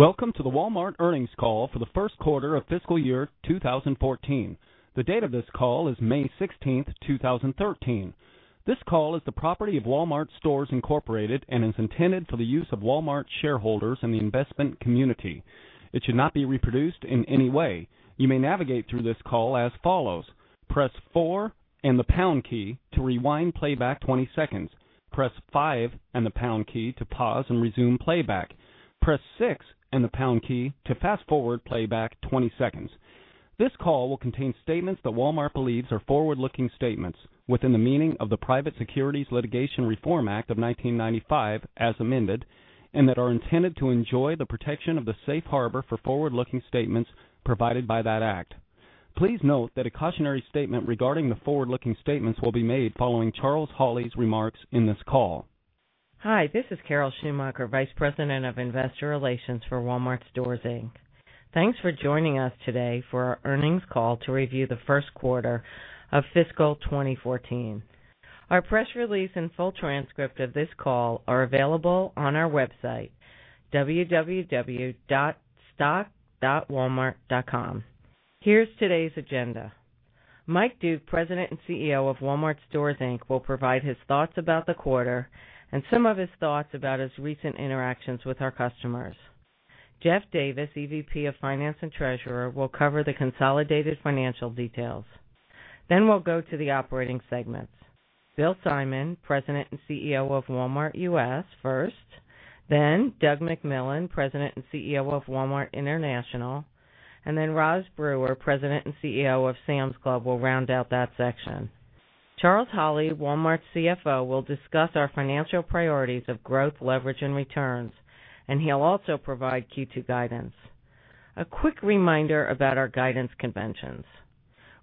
Welcome to the Walmart earnings call for the first quarter of fiscal year 2014. The date of this call is May 16th, 2013. This call is the property of Walmart Stores, Inc. and is intended for the use of Walmart shareholders and the investment community. It should not be reproduced in any way. You may navigate through this call as follows: press four and the pound key to rewind playback 20 seconds. Press five and the pound key to pause and resume playback. Press six and the pound key to fast-forward playback 20 seconds. This call will contain statements that Walmart believes are forward-looking statements within the meaning of the Private Securities Litigation Reform Act of 1995 as amended, and that are intended to enjoy the protection of the safe harbor for forward-looking statements provided by that act. Please note that a cautionary statement regarding the forward-looking statements will be made following Charles Holley's remarks in this call. Hi, this is Carol Schumacher, Vice President of Investor Relations for Walmart Stores, Inc. Thanks for joining us today for our earnings call to review the first quarter of fiscal 2014. Our press release and full transcript of this call are available on our website, www.stock.walmart.com. Here's today's agenda. Mike Duke, President and CEO of Walmart Stores, Inc., will provide his thoughts about the quarter and some of his thoughts about his recent interactions with our customers. Jeff Davis, EVP of Finance and Treasurer, will cover the consolidated financial details. We'll go to the operating segments. Bill Simon, President and CEO of Walmart U.S. first, then Doug McMillon, President and CEO of Walmart International, and then Rosalind Brewer, President and CEO of Sam's Club, will round out that section. Charles Holley, Walmart's CFO, will discuss our financial priorities of growth, leverage, and returns, and he'll also provide Q2 guidance. A quick reminder about our guidance conventions.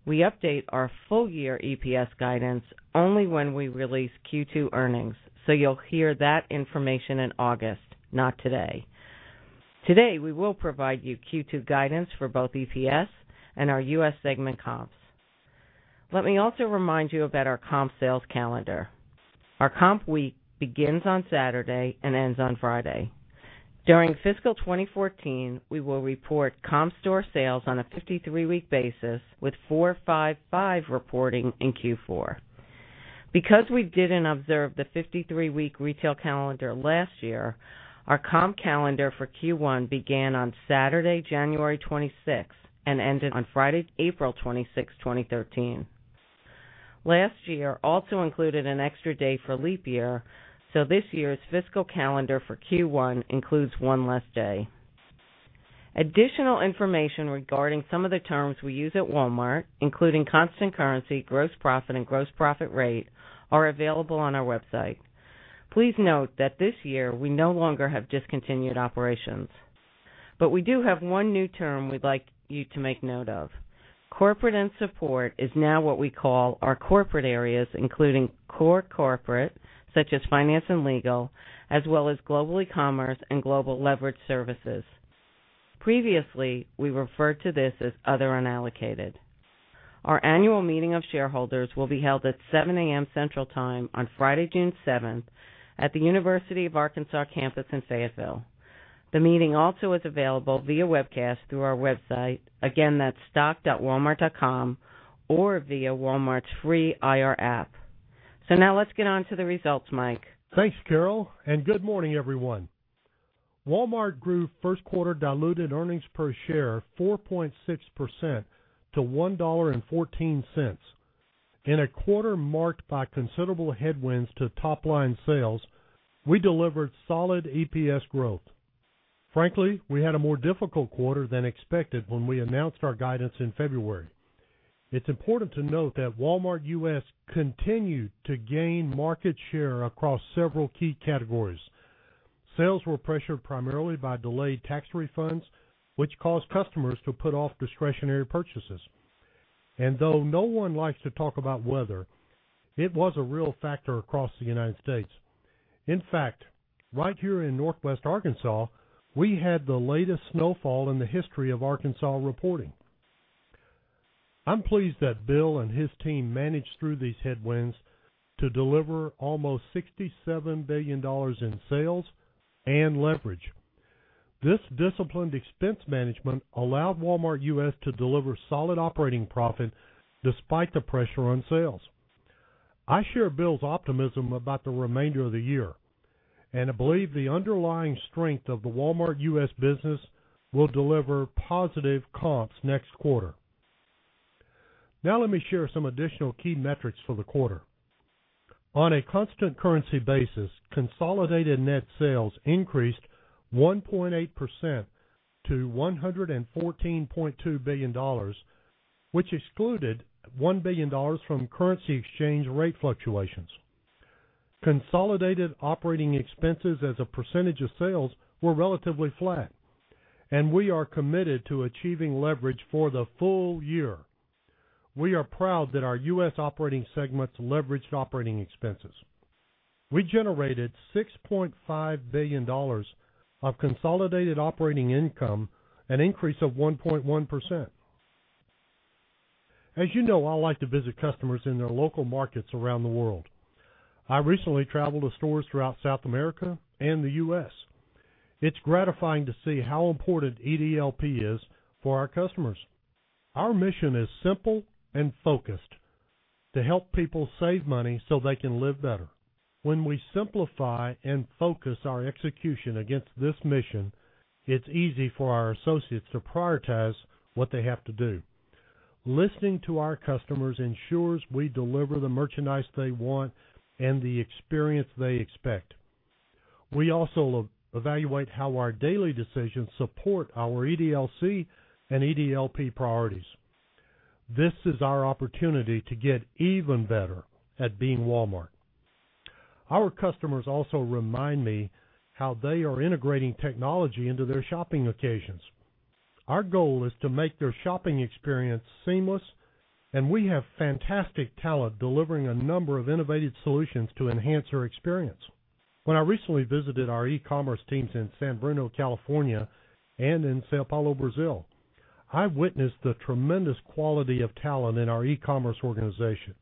We update our full-year EPS guidance only when we release Q2 earnings, so you'll hear that information in August, not today. Today, we will provide you Q2 guidance for both EPS and our U.S. segment comps. Let me also remind you about our comp sales calendar. Our comp week begins on Saturday and ends on Friday. During fiscal 2014, we will report comp store sales on a 53-week basis with 4-5-5 reporting in Q4. Because we didn't observe the 53-week retail calendar last year, our comp calendar for Q1 began on Saturday, January 26th, and ended on Friday, April 26, 2013. Last year also included an extra day for leap year, so this year's fiscal calendar for Q1 includes one less day. Additional information regarding some of the terms we use at Walmart, including constant currency, gross profit, and gross profit rate, are available on our website. Please note that this year we no longer have discontinued operations. We do have one new term we'd like you to make note of. Corporate and Support is now what we call our corporate areas, including core corporate such as finance and legal, as well as Global eCommerce and global leverage services. Previously, we referred to this as other unallocated. Our annual meeting of shareholders will be held at 7:00 A.M. Central Time on Friday, June 7th, at the University of Arkansas campus in Fayetteville. The meeting also is available via webcast through our website. Again, that's stock.walmart.com or via Walmart's free IR app. Now let's get on to the results, Mike. Thanks, Carol. Good morning, everyone. Walmart grew first quarter diluted earnings per share 4.6% to $1.14. In a quarter marked by considerable headwinds to top-line sales, we delivered solid EPS growth. Frankly, we had a more difficult quarter than expected when we announced our guidance in February. It's important to note that Walmart U.S. continued to gain market share across several key categories. Sales were pressured primarily by delayed tax refunds, which caused customers to put off discretionary purchases. Though no one likes to talk about weather, it was a real factor across the U.S. In fact, right here in Northwest Arkansas, we had the latest snowfall in the history of Arkansas reporting. I'm pleased that Bill and his team managed through these headwinds to deliver almost $67 billion in sales and leverage. This disciplined expense management allowed Walmart U.S. to deliver solid operating profit despite the pressure on sales. I share Bill's optimism about the remainder of the year. I believe the underlying strength of the Walmart U.S. business will deliver positive comps next quarter. Now let me share some additional key metrics for the quarter. On a constant currency basis, consolidated net sales increased 1.8% to $114.2 billion, which excluded $1 billion from currency exchange rate fluctuations. Consolidated operating expenses as a percentage of sales were relatively flat. We are committed to achieving leverage for the full year. We are proud that our U.S. operating segments leveraged operating expenses. We generated $6.5 billion of consolidated operating income, an increase of 1.1%. As you know, I like to visit customers in their local markets around the world. I recently traveled to stores throughout South America and the U.S. It's gratifying to see how important EDLP is for our customers. Our mission is simple and focused: to help people save money so they can live better. When we simplify and focus our execution against this mission, it's easy for our associates to prioritize what they have to do. Listening to our customers ensures we deliver the merchandise they want and the experience they expect. We also evaluate how our daily decisions support our EDLC and EDLP priorities. This is our opportunity to get even better at being Walmart. Our customers also remind me how they are integrating technology into their shopping occasions. Our goal is to make their shopping experience seamless. We have fantastic talent delivering a number of innovative solutions to enhance our experience. When I recently visited our e-commerce teams in San Bruno, California and in São Paulo, Brazil, I witnessed the tremendous quality of talent in our e-commerce organization.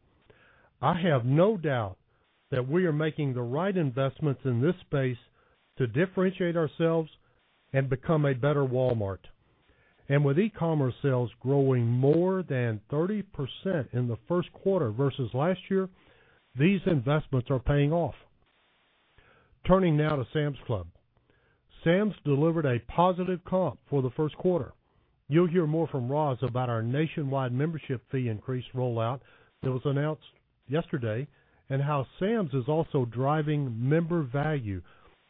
I have no doubt that we are making the right investments in this space to differentiate ourselves and become a better Walmart. With e-commerce sales growing more than 30% in the first quarter versus last year, these investments are paying off. Turning now to Sam's Club. Sam's delivered a positive comp for the first quarter. You'll hear more from Roz about our nationwide membership fee increase rollout that was announced yesterday, and how Sam's is also driving member value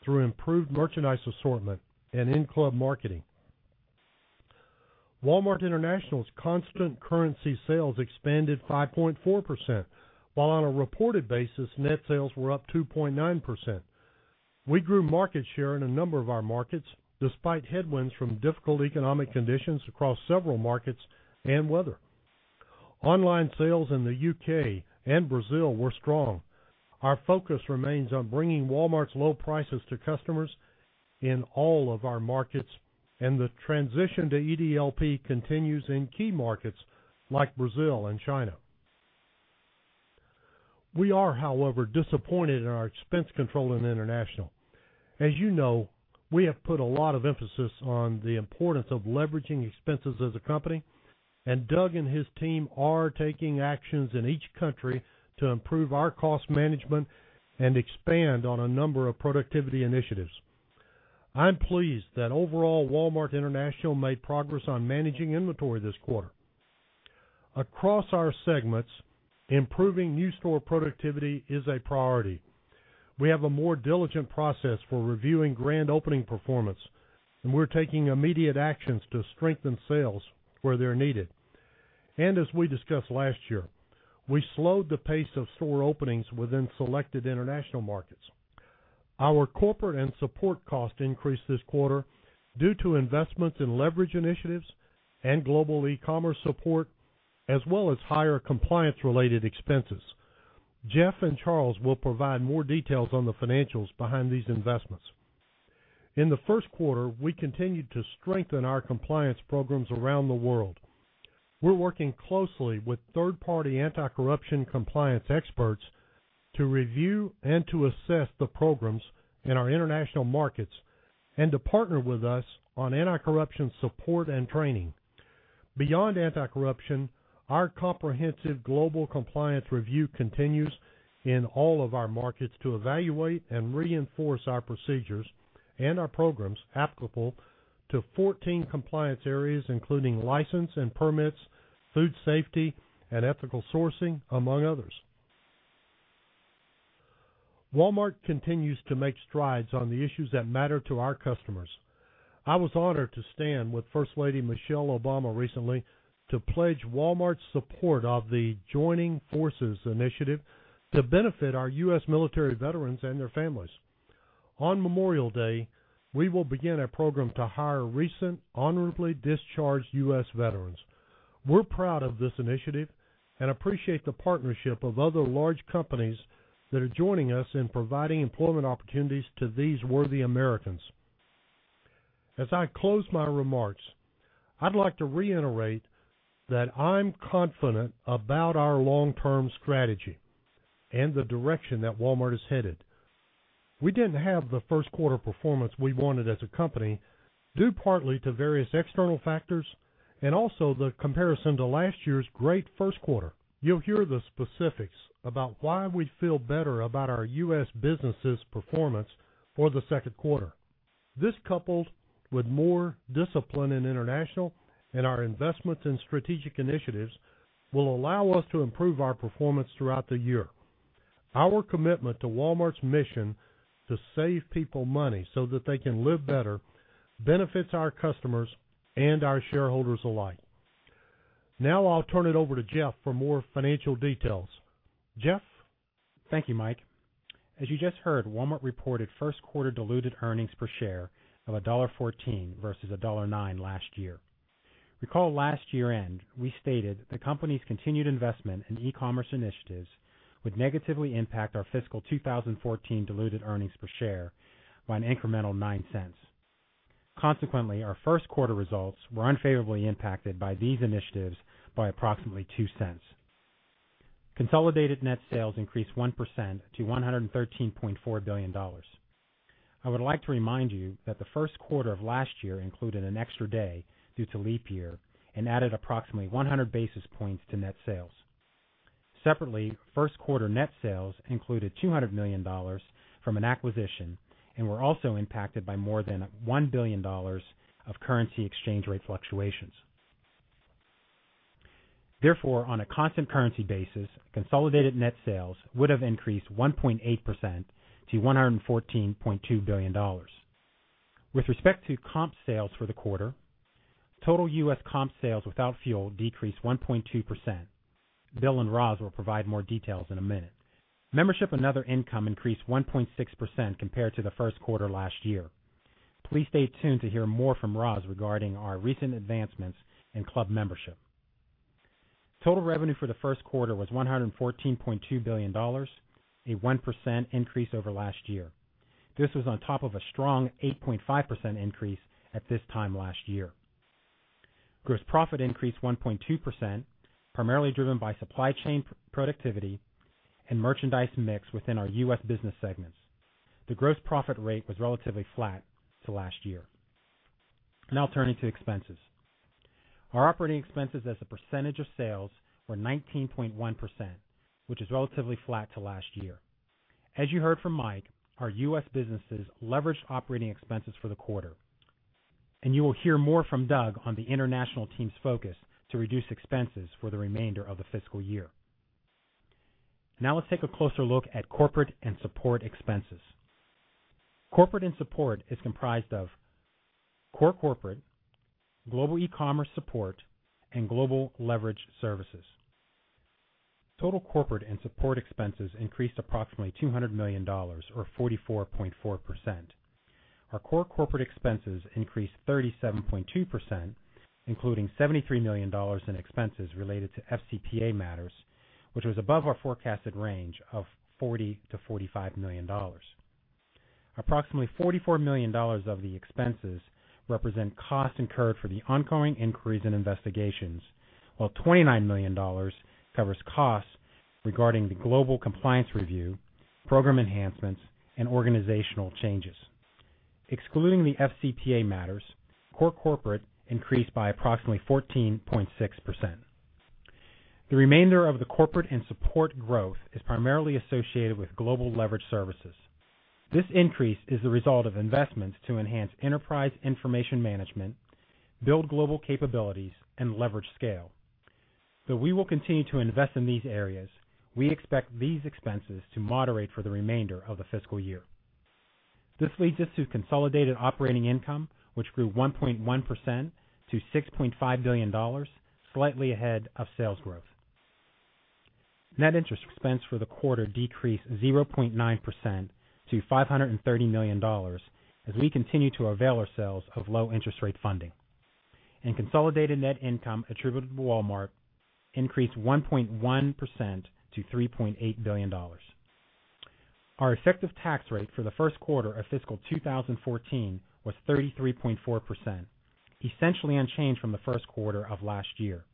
through improved merchandise assortment and in-club marketing. Walmart International's constant currency sales expanded 5.4%, while on a reported basis, net sales were up 2.9%. We grew market share in a number of our markets, despite headwinds from difficult economic conditions across several markets and weather. Online sales in the U.K. and Brazil were strong. Our focus remains on bringing Walmart's low prices to customers in all of our markets, and the transition to EDLP continues in key markets like Brazil and China. We are, however, disappointed in our expense control in international. As you know, we have put a lot of emphasis on the importance of leveraging expenses as a company, and Doug and his team are taking actions in each country to improve our cost management and expand on a number of productivity initiatives. I'm pleased that overall, Walmart International made progress on managing inventory this quarter. Across our segments, improving new store productivity is a priority. We have a more diligent process for reviewing grand opening performance, we're taking immediate actions to strengthen sales where they're needed. As we discussed last year, we slowed the pace of store openings within selected international markets. Our corporate and support cost increased this quarter due to investments in leverage initiatives and global e-commerce support, as well as higher compliance-related expenses. Jeff and Charles will provide more details on the financials behind these investments. In the first quarter, we continued to strengthen our compliance programs around the world. We're working closely with third-party anti-corruption compliance experts to review and to assess the programs in our international markets and to partner with us on anti-corruption support and training. Beyond anti-corruption, our comprehensive global compliance review continues in all of our markets to evaluate and reinforce our procedures and our programs applicable to 14 compliance areas, including license and permits, food safety, and ethical sourcing, among others. Walmart continues to make strides on the issues that matter to our customers. I was honored to stand with First Lady Michelle Obama recently to pledge Walmart's support of the Joining Forces initiative to benefit our U.S. military veterans and their families. On Memorial Day, we will begin a program to hire recent honorably discharged U.S. veterans. We're proud of this initiative and appreciate the partnership of other large companies that are joining us in providing employment opportunities to these worthy Americans. As I close my remarks, I'd like to reiterate that I'm confident about our long-term strategy and the direction that Walmart is headed. We didn't have the first quarter performance we wanted as a company, due partly to various external factors and also the comparison to last year's great first quarter. You'll hear the specifics about why we feel better about our U.S. business' performance for the second quarter. This, coupled with more discipline in international and our investments in strategic initiatives, will allow us to improve our performance throughout the year. Our commitment to Walmart's mission to save people money so that they can live better benefits our customers and our shareholders alike. Now I'll turn it over to Jeff for more financial details. Jeff? Thank you, Mike. As you just heard, Walmart reported first quarter diluted earnings per share of $1.14 versus $1.09 last year. Recall last year-end, we stated the company's continued investment in e-commerce initiatives would negatively impact our fiscal 2014 diluted earnings per share by an incremental $0.09. Consequently, our first quarter results were unfavorably impacted by these initiatives by approximately $0.02. Consolidated net sales increased 1% to $113.4 billion. I would like to remind you that the first quarter of last year included an extra day due to leap year and added approximately 100 basis points to net sales. Separately, first quarter net sales included $200 million from an acquisition and were also impacted by more than $1 billion of currency exchange rate fluctuations. Therefore, on a constant currency basis, consolidated net sales would have increased 1.8% to $114.2 billion. With respect to comp sales for the quarter, total U.S. comp sales without fuel decreased 1.2%. Bill and Roz will provide more details in a minute. Membership and other income increased 1.6% compared to the first quarter last year. Please stay tuned to hear more from Roz regarding our recent advancements in club membership. Total revenue for the first quarter was $114.2 billion, a 1% increase over last year. This was on top of a strong 8.5% increase at this time last year. Gross profit increased 1.2%, primarily driven by supply chain productivity and merchandise mix within our U.S. business segments. The gross profit rate was relatively flat to last year. Turning to expenses. Our operating expenses as a percentage of sales were 19.1%, which is relatively flat to last year. As you heard from Mike, our U.S. businesses leveraged operating expenses for the quarter, and you will hear more from Doug on the international team's focus to reduce expenses for the remainder of the fiscal year. Let's take a closer look at corporate and support expenses. Corporate and support is comprised of core corporate, global e-commerce support, and global leverage services. Total corporate and support expenses increased approximately $200 million, or 44.4%. Our core corporate expenses increased 37.2%, including $73 million in expenses related to FCPA matters, which was above our forecasted range of $40 million-$45 million. Approximately $44 million of the expenses represent costs incurred for the ongoing inquiries and investigations, while $29 million covers costs regarding the global compliance review, program enhancements, and organizational changes. Excluding the FCPA matters, core corporate increased by approximately 14.6%. The remainder of the corporate and support growth is primarily associated with global leverage services. This increase is the result of investments to enhance enterprise information management, build global capabilities, and leverage scale. Though we will continue to invest in these areas, we expect these expenses to moderate for the remainder of the fiscal year. This leads us to consolidated operating income, which grew 1.1% to $6.5 billion, slightly ahead of sales growth. Net interest expense for the quarter decreased 0.9% to $530 million as we continue to avail ourselves of low interest rate funding. Consolidated net income attributable to Walmart increased 1.1% to $3.8 billion. Our effective tax rate for the first quarter of fiscal 2014 was 33.4%, essentially unchanged from the first quarter of last year.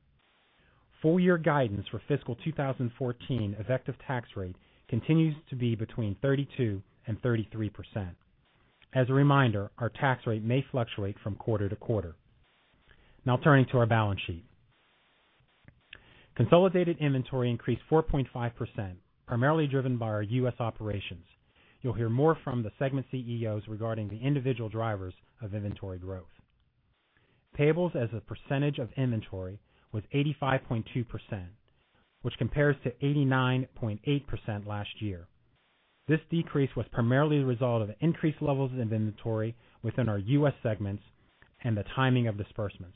Full year guidance for fiscal 2014 effective tax rate continues to be between 32% and 33%. As a reminder, our tax rate may fluctuate from quarter to quarter. Now turning to our balance sheet. Consolidated inventory increased 4.5%, primarily driven by our U.S. operations. You'll hear more from the segment CEOs regarding the individual drivers of inventory growth. Payables as a percentage of inventory was 85.2%, which compares to 89.8% last year. This decrease was primarily the result of increased levels of inventory within our U.S. segments and the timing of disbursements.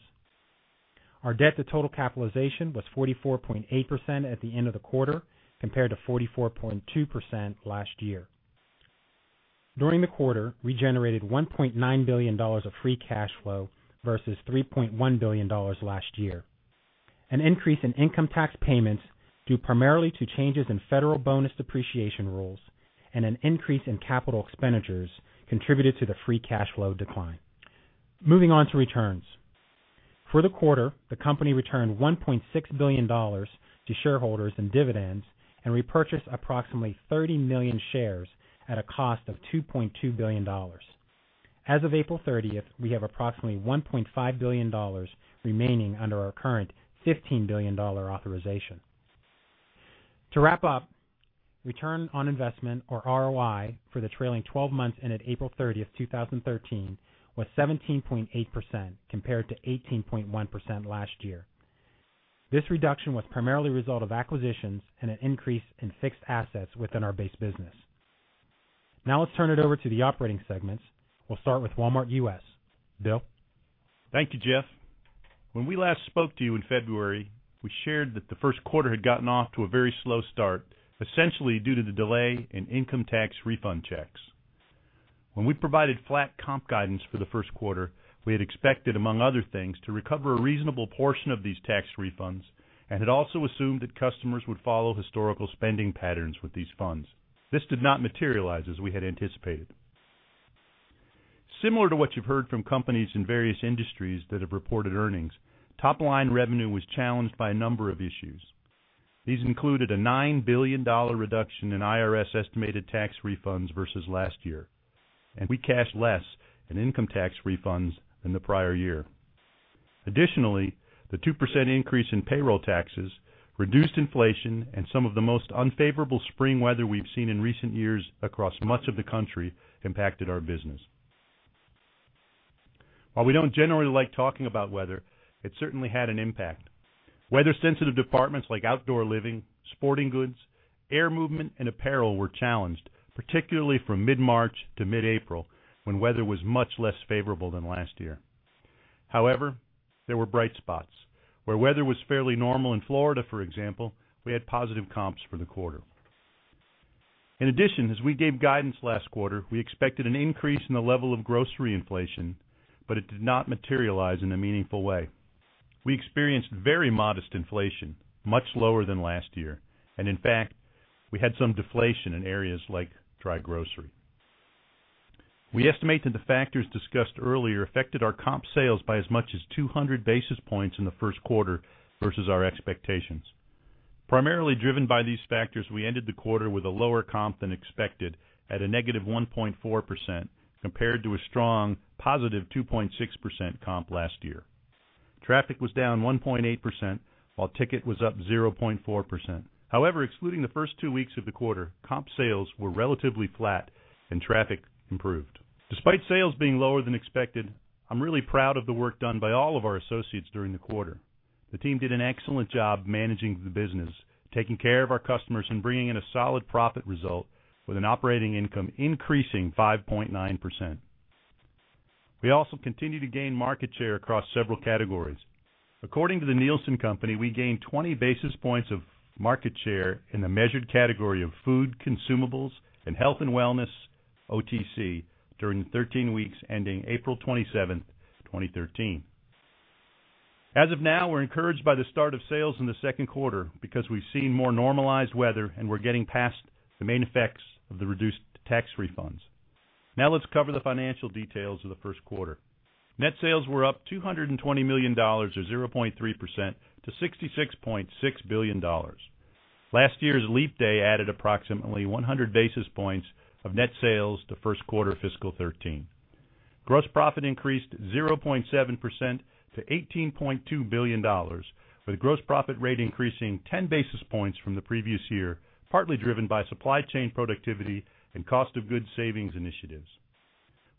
Our debt to total capitalization was 44.8% at the end of the quarter, compared to 44.2% last year. During the quarter, we generated $1.9 billion of free cash flow versus $3.1 billion last year. An increase in income tax payments due primarily to changes in federal bonus depreciation rules and an increase in capital expenditures contributed to the free cash flow decline. Moving on to returns. For the quarter, the company returned $1.6 billion to shareholders in dividends and repurchased approximately 30 million shares at a cost of $2.2 billion. As of April 30th, we have approximately $1.5 billion remaining under our current $15 billion authorization. To wrap up, return on investment, or ROI for the trailing 12 months ended April 30th, 2013, was 17.8%, compared to 18.1% last year. This reduction was primarily the result of acquisitions and an increase in fixed assets within our base business. Now let's turn it over to the operating segments. We'll start with Walmart U.S. Bill? Thank you, Jeff. When we last spoke to you in February, we shared that the first quarter had gotten off to a very slow start, essentially due to the delay in income tax refund checks. When we provided flat comp guidance for the first quarter, we had expected, among other things, to recover a reasonable portion of these tax refunds and had also assumed that customers would follow historical spending patterns with these funds. This did not materialize as we had anticipated. Similar to what you've heard from companies in various industries that have reported earnings, top-line revenue was challenged by a number of issues. These included a $9 billion reduction in IRS estimated tax refunds versus last year. We cashed less in income tax refunds than the prior year. Additionally, the 2% increase in payroll taxes, reduced inflation, and some of the most unfavorable spring weather we've seen in recent years across much of the country impacted our business. While we don't generally like talking about weather, it certainly had an impact. Weather-sensitive departments like outdoor living, sporting goods, air movement, and apparel were challenged, particularly from mid-March to mid-April when weather was much less favorable than last year. However, there were bright spots. Where weather was fairly normal in Florida, for example, we had positive comps for the quarter. In addition, as we gave guidance last quarter, we expected an increase in the level of grocery inflation, but it did not materialize in a meaningful way. We experienced very modest inflation, much lower than last year, and in fact, we had some deflation in areas like dry grocery. We estimate that the factors discussed earlier affected our comp sales by as much as 200 basis points in the first quarter versus our expectations. Primarily driven by these factors, we ended the quarter with a lower comp than expected at a negative 1.4%, compared to a strong positive 2.6% comp last year. Traffic was down 1.8%, while ticket was up 0.4%. However, excluding the first two weeks of the quarter, comp sales were relatively flat and traffic improved. Despite sales being lower than expected, I'm really proud of the work done by all of our associates during the quarter. The team did an excellent job managing the business, taking care of our customers, and bringing in a solid profit result with an operating income increasing 5.9%. We also continue to gain market share across several categories. According to The Nielsen Company, we gained 20 basis points of market share in the measured category of food, consumables, and health and wellness OTC during the 13 weeks ending April 27th, 2013. As of now, we're encouraged by the start of sales in the second quarter because we've seen more normalized weather, and we're getting past the main effects of the reduced tax refunds. Let's cover the financial details of the first quarter. Net sales were up $220 million, or 0.3%, to $66.6 billion. Last year's leap day added approximately 100 basis points of net sales to first quarter FY 2013. Gross profit increased 0.7% to $18.2 billion, with gross profit rate increasing 10 basis points from the previous year, partly driven by supply chain productivity and cost of goods savings initiatives.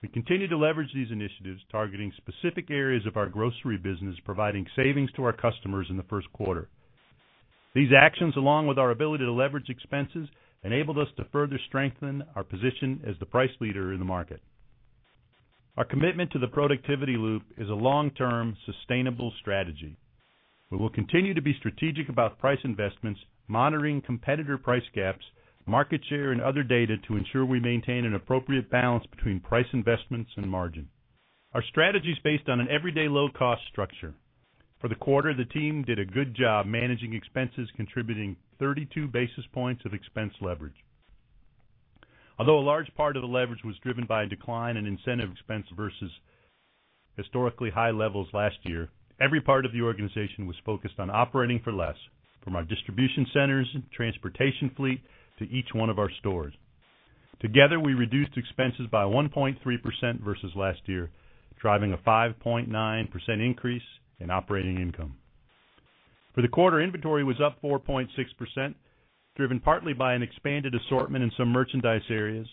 We continue to leverage these initiatives, targeting specific areas of our grocery business, providing savings to our customers in the first quarter. These actions, along with our ability to leverage expenses, enabled us to further strengthen our position as the price leader in the market. Our commitment to the productivity loop is a long-term, sustainable strategy. We will continue to be strategic about price investments, monitoring competitor price gaps, market share, and other data to ensure we maintain an appropriate balance between price investments and margin. Our strategy is based on an everyday low-cost structure. For the quarter, the team did a good job managing expenses, contributing 32 basis points of expense leverage. Although a large part of the leverage was driven by a decline in incentive expense versus historically high levels last year, every part of the organization was focused on operating for less, from our distribution centers, transportation fleet, to each one of our stores. Together, we reduced expenses by 1.3% versus last year, driving a 5.9% increase in operating income. For the quarter, inventory was up 4.6%, driven partly by an expanded assortment in some merchandise areas,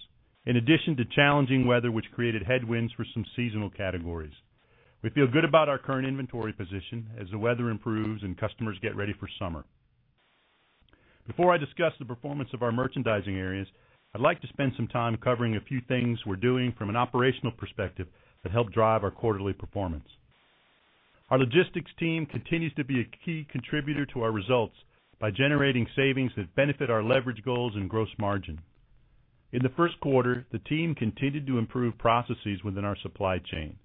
in addition to challenging weather, which created headwinds for some seasonal categories. We feel good about our current inventory position as the weather improves and customers get ready for summer. Before I discuss the performance of our merchandising areas, I'd like to spend some time covering a few things we're doing from an operational perspective that help drive our quarterly performance. Our logistics team continues to be a key contributor to our results by generating savings that benefit our leverage goals and gross margin. In the first quarter, the team continued to improve processes within our supply chain.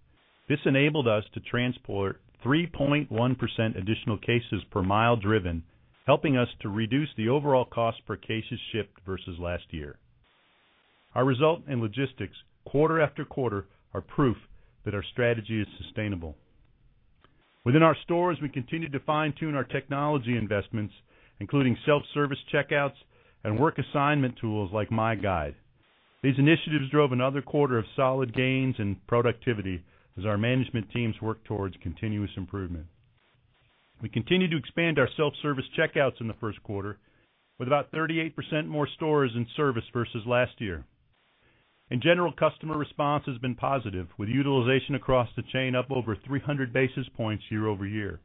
This enabled us to transport 3.1% additional cases per mile driven, helping us to reduce the overall cost per cases shipped versus last year. Our result in logistics quarter after quarter are proof that our strategy is sustainable. Within our stores, we continued to fine-tune our technology investments, including self-service checkouts and work assignment tools like My Guide. These initiatives drove another quarter of solid gains in productivity as our management teams work towards continuous improvement. We continued to expand our self-service checkouts in the first quarter with about 38% more stores in service versus last year. In general, customer response has been positive, with utilization across the chain up over 300 basis points year-over-year.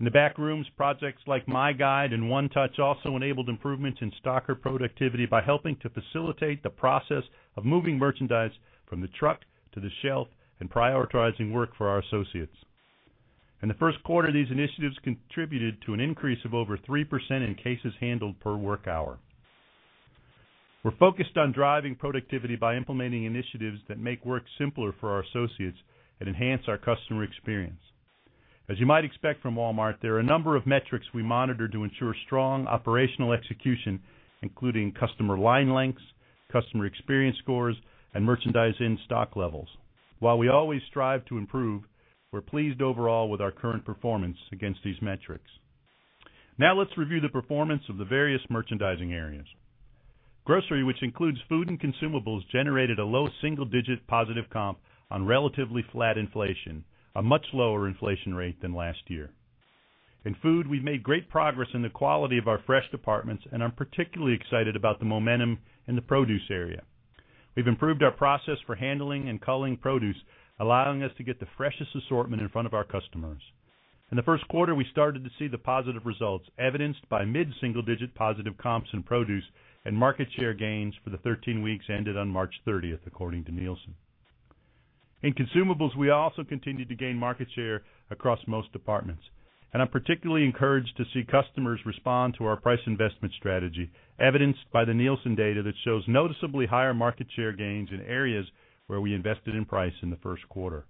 In the back rooms, projects like My Guide and One-Touch also enabled improvements in stocker productivity by helping to facilitate the process of moving merchandise from the truck to the shelf and prioritizing work for our associates. In the first quarter, these initiatives contributed to an increase of over 3% in cases handled per work hour. We're focused on driving productivity by implementing initiatives that make work simpler for our associates and enhance our customer experience. As you might expect from Walmart, there are a number of metrics we monitor to ensure strong operational execution, including customer line lengths, customer experience scores, and merchandise in-stock levels. While we always strive to improve, we're pleased overall with our current performance against these metrics. Let's review the performance of the various merchandising areas. Grocery, which includes food and consumables, generated a low single-digit positive comp on relatively flat inflation, a much lower inflation rate than last year. In food, we've made great progress in the quality of our fresh departments, and I'm particularly excited about the momentum in the produce area. We've improved our process for handling and culling produce, allowing us to get the freshest assortment in front of our customers. In the first quarter, we started to see the positive results evidenced by mid-single-digit positive comps in produce and market share gains for the 13 weeks ended on March 30th, according to Nielsen. In consumables, we also continued to gain market share across most departments. I'm particularly encouraged to see customers respond to our price investment strategy, evidenced by the Nielsen data that shows noticeably higher market share gains in areas where we invested in price in the first quarter.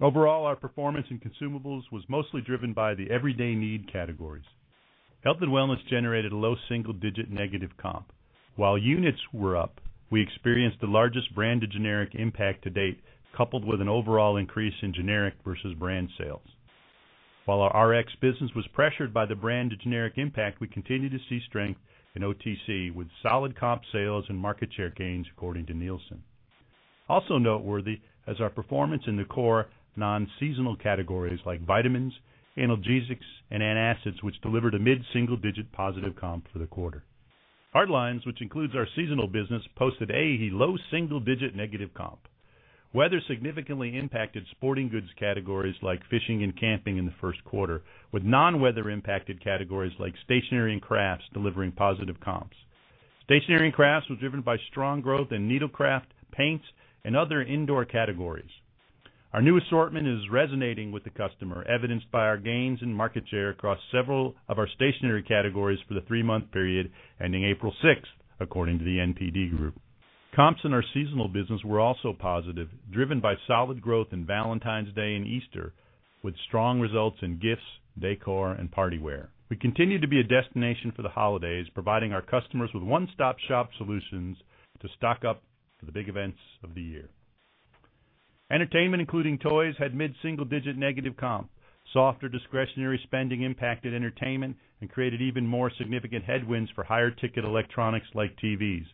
Overall, our performance in consumables was mostly driven by the everyday need categories. Health and wellness generated a low single-digit negative comp. While units were up, we experienced the largest brand to generic impact to date, coupled with an overall increase in generic versus brand sales. While our Rx business was pressured by the brand to generic impact, we continue to see strength in OTC with solid comp sales and market share gains according to Nielsen. Also noteworthy is our performance in the core non-seasonal categories like vitamins, analgesics, and antacids, which delivered a mid-single-digit positive comp for the quarter. Hard lines, which includes our seasonal business, posted a low single-digit negative comp. Weather significantly impacted sporting goods categories like fishing and camping in the first quarter, with non-weather-impacted categories like stationery and crafts delivering positive comps. Stationery and crafts was driven by strong growth in needlecraft, paints, and other indoor categories. Our new assortment is resonating with the customer, evidenced by our gains in market share across several of our stationery categories for the three-month period ending April sixth according to the NPD Group. Comps in our seasonal business were also positive, driven by solid growth in Valentine's Day and Easter, with strong results in gifts, decor, and party wear. We continue to be a destination for the holidays, providing our customers with one-stop-shop solutions to stock up for the big events of the year. Entertainment, including toys, had mid-single-digit negative comp. Softer discretionary spending impacted entertainment and created even more significant headwinds for higher-ticket electronics like TVs.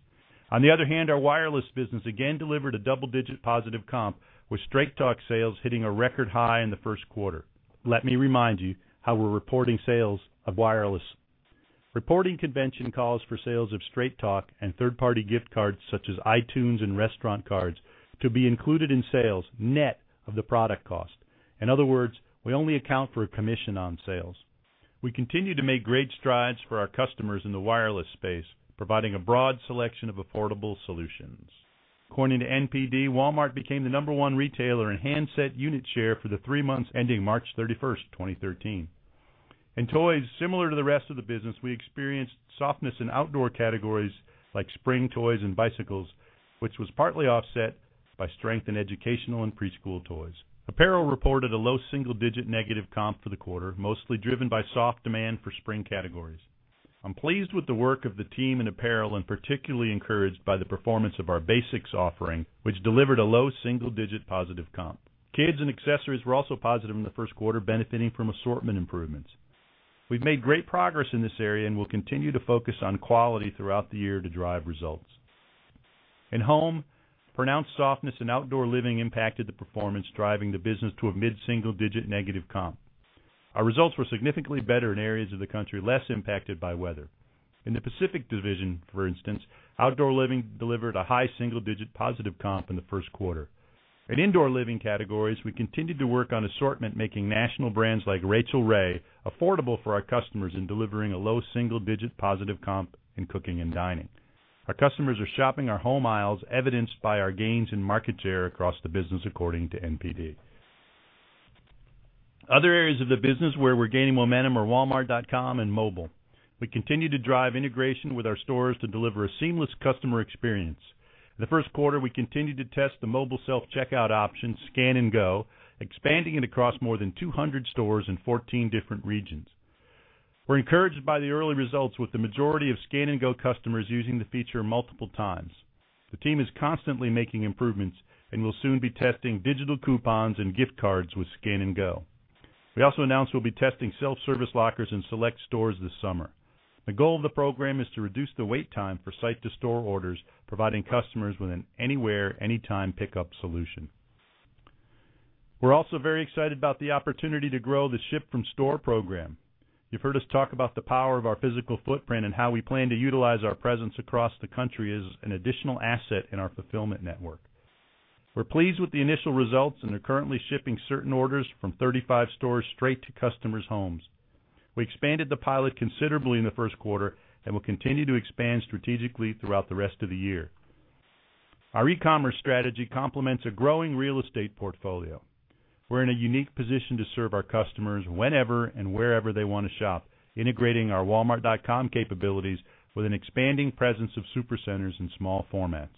On the other hand, our wireless business again delivered a double-digit positive comp, with Straight Talk sales hitting a record high in the first quarter. Let me remind you how we're reporting sales of wireless. Reporting convention calls for sales of Straight Talk and third-party gift cards such as iTunes and restaurant cards to be included in sales net of the product cost. In other words, we only account for a commission on sales. We continue to make great strides for our customers in the wireless space, providing a broad selection of affordable solutions. According to NPD, Walmart became the number 1 retailer in handset unit share for the three months ending March 31st, 2013. In toys, similar to the rest of the business, we experienced softness in outdoor categories like spring toys and bicycles, which was partly offset by strength in educational and preschool toys. Apparel reported a low single-digit negative comp for the quarter, mostly driven by soft demand for spring categories. I'm pleased with the work of the team in apparel and particularly encouraged by the performance of our basics offering, which delivered a low single-digit positive comp. Kids and accessories were also positive in the first quarter, benefiting from assortment improvements. We've made great progress in this area and will continue to focus on quality throughout the year to drive results. In Home, pronounced softness in outdoor living impacted the performance, driving the business to a mid-single-digit negative comp. Our results were significantly better in areas of the country less impacted by weather. In the Pacific Division, for instance, outdoor living delivered a high single-digit positive comp in the first quarter. In indoor living categories, we continued to work on assortment, making national brands like Rachael Ray affordable for our customers in delivering a low single-digit positive comp in cooking and dining. Our customers are shopping our home aisles, evidenced by our gains in market share across the business according to NPD. Other areas of the business where we're gaining momentum are walmart.com and mobile. We continue to drive integration with our stores to deliver a seamless customer experience. In the first quarter, we continued to test the mobile self-checkout option, Scan & Go, expanding it across more than 200 stores in 14 different regions. We're encouraged by the early results with the majority of Scan & Go customers using the feature multiple times. The team is constantly making improvements and will soon be testing digital coupons and gift cards with Scan & Go. We also announced we'll be testing self-service lockers in select stores this summer. The goal of the program is to reduce the wait time for site-to-store orders, providing customers with an anywhere, anytime pickup solution. We're also very excited about the opportunity to grow the Ship from Store program. You've heard us talk about the power of our physical footprint and how we plan to utilize our presence across the country as an additional asset in our fulfillment network. We're pleased with the initial results and are currently shipping certain orders from 35 stores straight to customers' homes. We expanded the pilot considerably in the first quarter and will continue to expand strategically throughout the rest of the year. Our e-commerce strategy complements a growing real estate portfolio. We're in a unique position to serve our customers whenever and wherever they want to shop, integrating our walmart.com capabilities with an expanding presence of supercenters and small formats.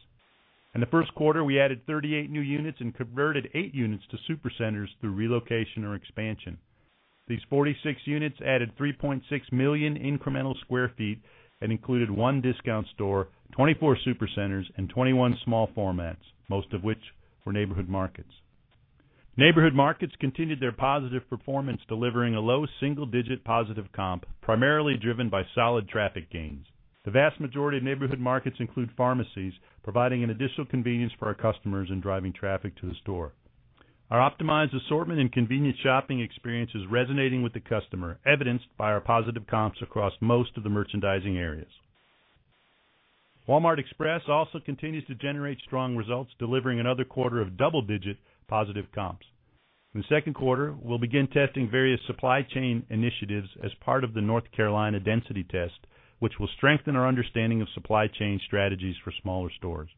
In the first quarter, we added 38 new units and converted eight units to supercenters through relocation or expansion. These 46 units added 3.6 million incremental sq ft and included one discount store, 24 supercenters and 21 small formats, most of which were Neighborhood Markets. Neighborhood Markets continued their positive performance, delivering a low single-digit positive comp, primarily driven by solid traffic gains. The vast majority of Neighborhood Markets include pharmacies, providing an additional convenience for our customers and driving traffic to the store. Our optimized assortment and convenient shopping experience is resonating with the customer, evidenced by our positive comps across most of the merchandising areas. Walmart Express also continues to generate strong results, delivering another quarter of double-digit positive comps. In the second quarter, we'll begin testing various supply chain initiatives as part of the North Carolina density test, which will strengthen our understanding of supply chain strategies for smaller stores.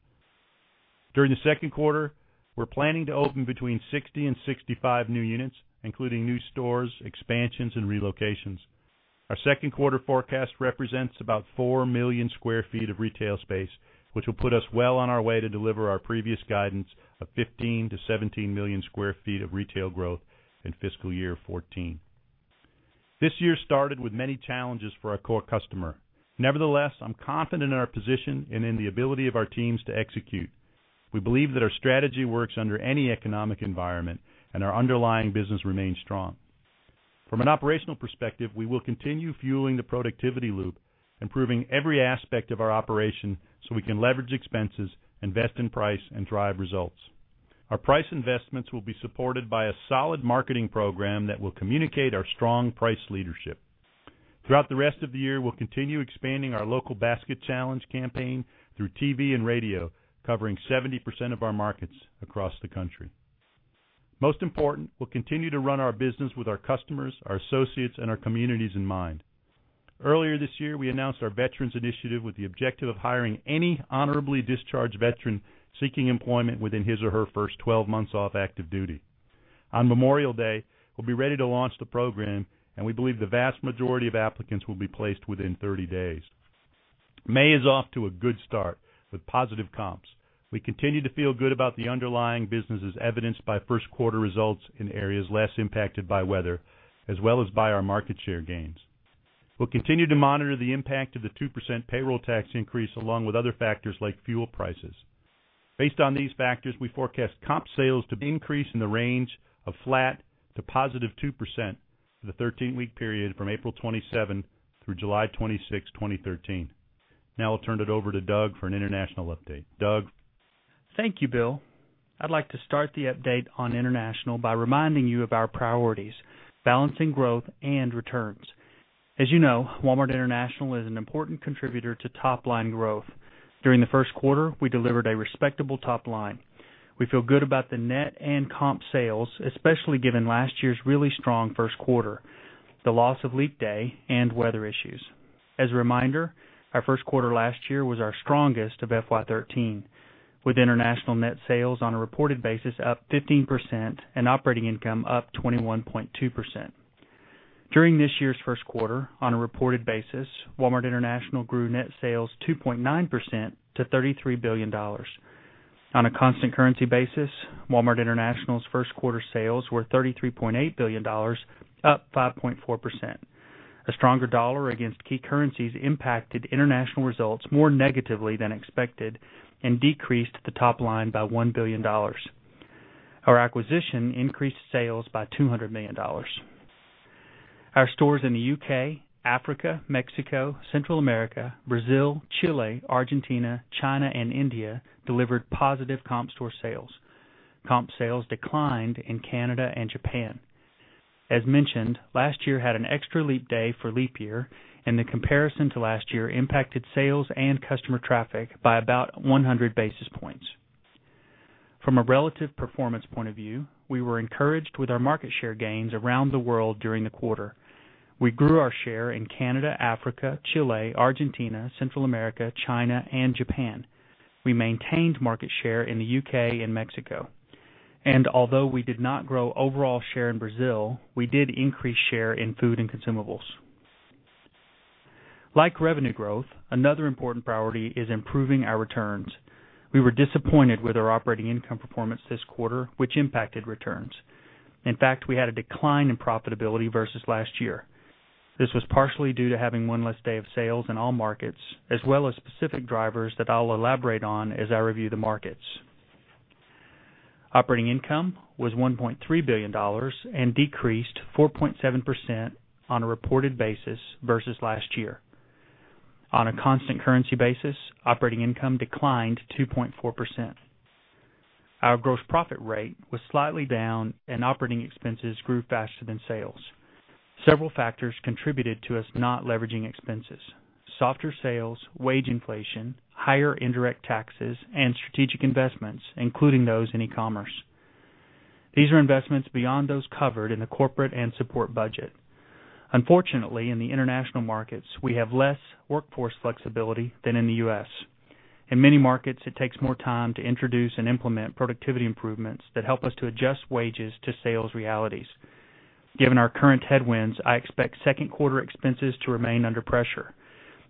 During the second quarter, we're planning to open between 60 and 65 new units, including new stores, expansions, and relocations. Our second quarter forecast represents about 4 million sq ft of retail space, which will put us well on our way to deliver our previous guidance of 15 million-17 million sq ft of retail growth in fiscal year 2014. This year started with many challenges for our core customer. Nevertheless, I'm confident in our position and in the ability of our teams to execute. We believe that our strategy works under any economic environment and our underlying business remains strong. From an operational perspective, we will continue fueling the productivity loop, improving every aspect of our operation so we can leverage expenses, invest in price, and drive results. Our price investments will be supported by a solid marketing program that will communicate our strong price leadership. Throughout the rest of the year, we'll continue expanding our local basket challenge campaign through TV and radio, covering 70% of our markets across the country. Most important, we'll continue to run our business with our customers, our associates, and our communities in mind. Earlier this year, we announced our Veterans Initiative with the objective of hiring any honorably discharged veteran seeking employment within his or her first 12 months off active duty. On Memorial Day, we'll be ready to launch the program, and we believe the vast majority of applicants will be placed within 30 days. May is off to a good start with positive comps. We continue to feel good about the underlying business as evidenced by first quarter results in areas less impacted by weather, as well as by our market share gains. We'll continue to monitor the impact of the 2% payroll tax increase along with other factors like fuel prices. Based on these factors, we forecast comp sales to increase in the range of flat to positive 2% for the 13-week period from April 27 through July 26, 2013. Now I'll turn it over to Doug for an international update. Doug? Thank you, Bill. I'd like to start the update on international by reminding you of our priorities, balancing growth and returns. As you know, Walmart International is an important contributor to top-line growth. During the first quarter, we delivered a respectable top line. We feel good about the net and comp sales, especially given last year's really strong first quarter, the loss of leap day, and weather issues. As a reminder, our first quarter last year was our strongest of FY 2013, with international net sales on a reported basis up 15% and operating income up 21.2%. During this year's first quarter, on a reported basis, Walmart International grew net sales 2.9% to $33 billion. On a constant currency basis, Walmart International's first quarter sales were $33.8 billion, up 5.4%. A stronger dollar against key currencies impacted international results more negatively than expected and decreased the top line by $1 billion. Our acquisition increased sales by $200 million. Our stores in the U.K., Africa, Mexico, Central America, Brazil, Chile, Argentina, China, and India delivered positive comp store sales. Comp sales declined in Canada and Japan. As mentioned, last year had an extra leap day for leap year, and the comparison to last year impacted sales and customer traffic by about 100 basis points. From a relative performance point of view, we were encouraged with our market share gains around the world during the quarter. We grew our share in Canada, Africa, Chile, Argentina, Central America, China, and Japan. We maintained market share in the U.K. and Mexico. Although we did not grow overall share in Brazil, we did increase share in food and consumables. Like revenue growth, another important priority is improving our returns. We were disappointed with our operating income performance this quarter, which impacted returns. In fact, we had a decline in profitability versus last year. This was partially due to having one less day of sales in all markets, as well as specific drivers that I'll elaborate on as I review the markets. Operating income was $1.3 billion and decreased 4.7% on a reported basis versus last year. On a constant currency basis, operating income declined 2.4%. Our gross profit rate was slightly down. Operating expenses grew faster than sales. Several factors contributed to us not leveraging expenses: softer sales, wage inflation, higher indirect taxes, and strategic investments, including those in e-commerce. These are investments beyond those covered in the corporate and support budget. Unfortunately, in the international markets, we have less workforce flexibility than in the U.S. In many markets, it takes more time to introduce and implement productivity improvements that help us to adjust wages to sales realities. Given our current headwinds, I expect second quarter expenses to remain under pressure.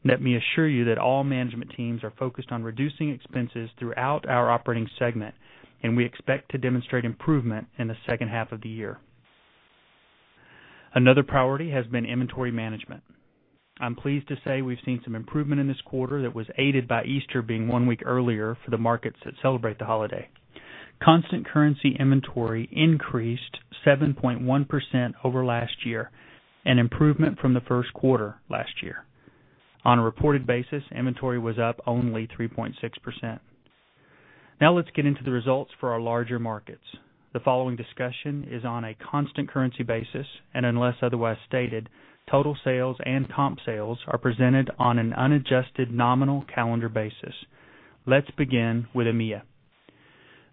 Let me assure you that all management teams are focused on reducing expenses throughout our operating segment. We expect to demonstrate improvement in the second half of the year. Another priority has been inventory management. I'm pleased to say we've seen some improvement in this quarter that was aided by Easter being one week earlier for the markets that celebrate the holiday. Constant currency inventory increased 7.1% over last year, an improvement from the first quarter last year. On a reported basis, inventory was up only 3.6%. Let's get into the results for our larger markets. The following discussion is on a constant currency basis. Unless otherwise stated, total sales and comp sales are presented on an unadjusted nominal calendar basis. Let's begin with EMEA.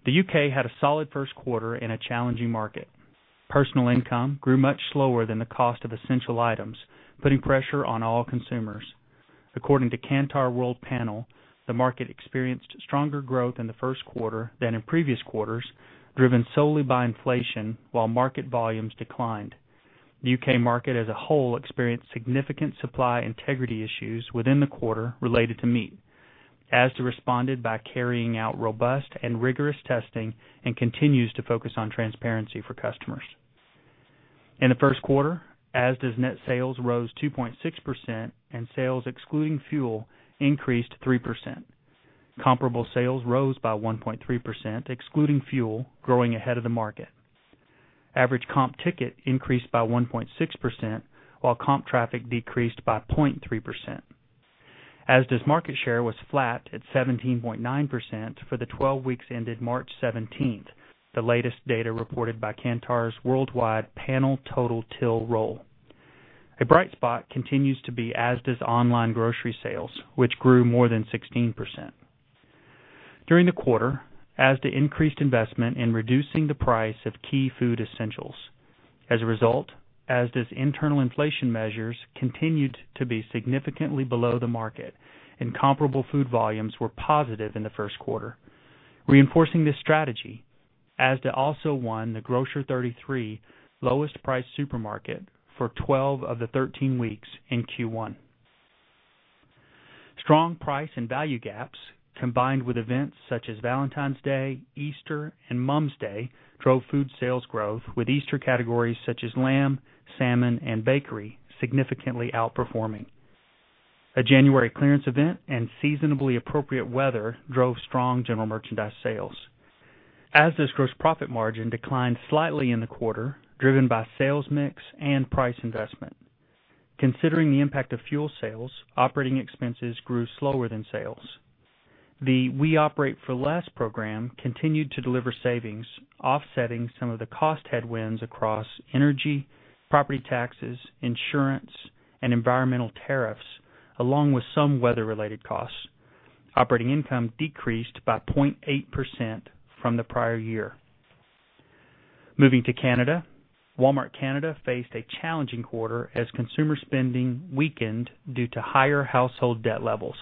The U.K. had a solid first quarter in a challenging market. Personal income grew much slower than the cost of essential items, putting pressure on all consumers. According to Kantar Worldpanel, the market experienced stronger growth in the first quarter than in previous quarters, driven solely by inflation while market volumes declined. The U.K. market as a whole experienced significant supply integrity issues within the quarter related to meat. Asda responded by carrying out robust and rigorous testing and continues to focus on transparency for customers. In the first quarter, Asda's net sales rose 2.6% and sales excluding fuel increased 3%. Comparable sales rose by 1.3%, excluding fuel, growing ahead of the market. Average comp ticket increased by 1.6%, while comp traffic decreased by 0.3%. Asda's market share was flat at 17.9% for the 12 weeks ended March 17th, the latest data reported by Kantar Worldpanel Total Till Roll. A bright spot continues to be Asda's online grocery sales, which grew more than 16%. During the quarter, Asda increased investment in reducing the price of key food essentials. As a result, Asda's internal inflation measures continued to be significantly below the market. Comparable food volumes were positive in the first quarter. Reinforcing this strategy, Asda also won the Grocer 33 lowest priced supermarket for 12 of the 13 weeks in Q1. Strong price and value gaps, combined with events such as Valentine's Day, Easter, and Mom's Day, drove food sales growth, with Easter categories such as lamb, salmon, and bakery significantly outperforming. A January clearance event and seasonably appropriate weather drove strong general merchandise sales. Asda's gross profit margin declined slightly in the quarter, driven by sales mix and price investment. Considering the impact of fuel sales, operating expenses grew slower than sales. The We Operate For Less program continued to deliver savings, offsetting some of the cost headwinds across energy, property taxes, insurance, and environmental tariffs, along with some weather-related costs. Operating income decreased by 0.8% from the prior year. Moving to Canada. Walmart Canada faced a challenging quarter as consumer spending weakened due to higher household debt levels.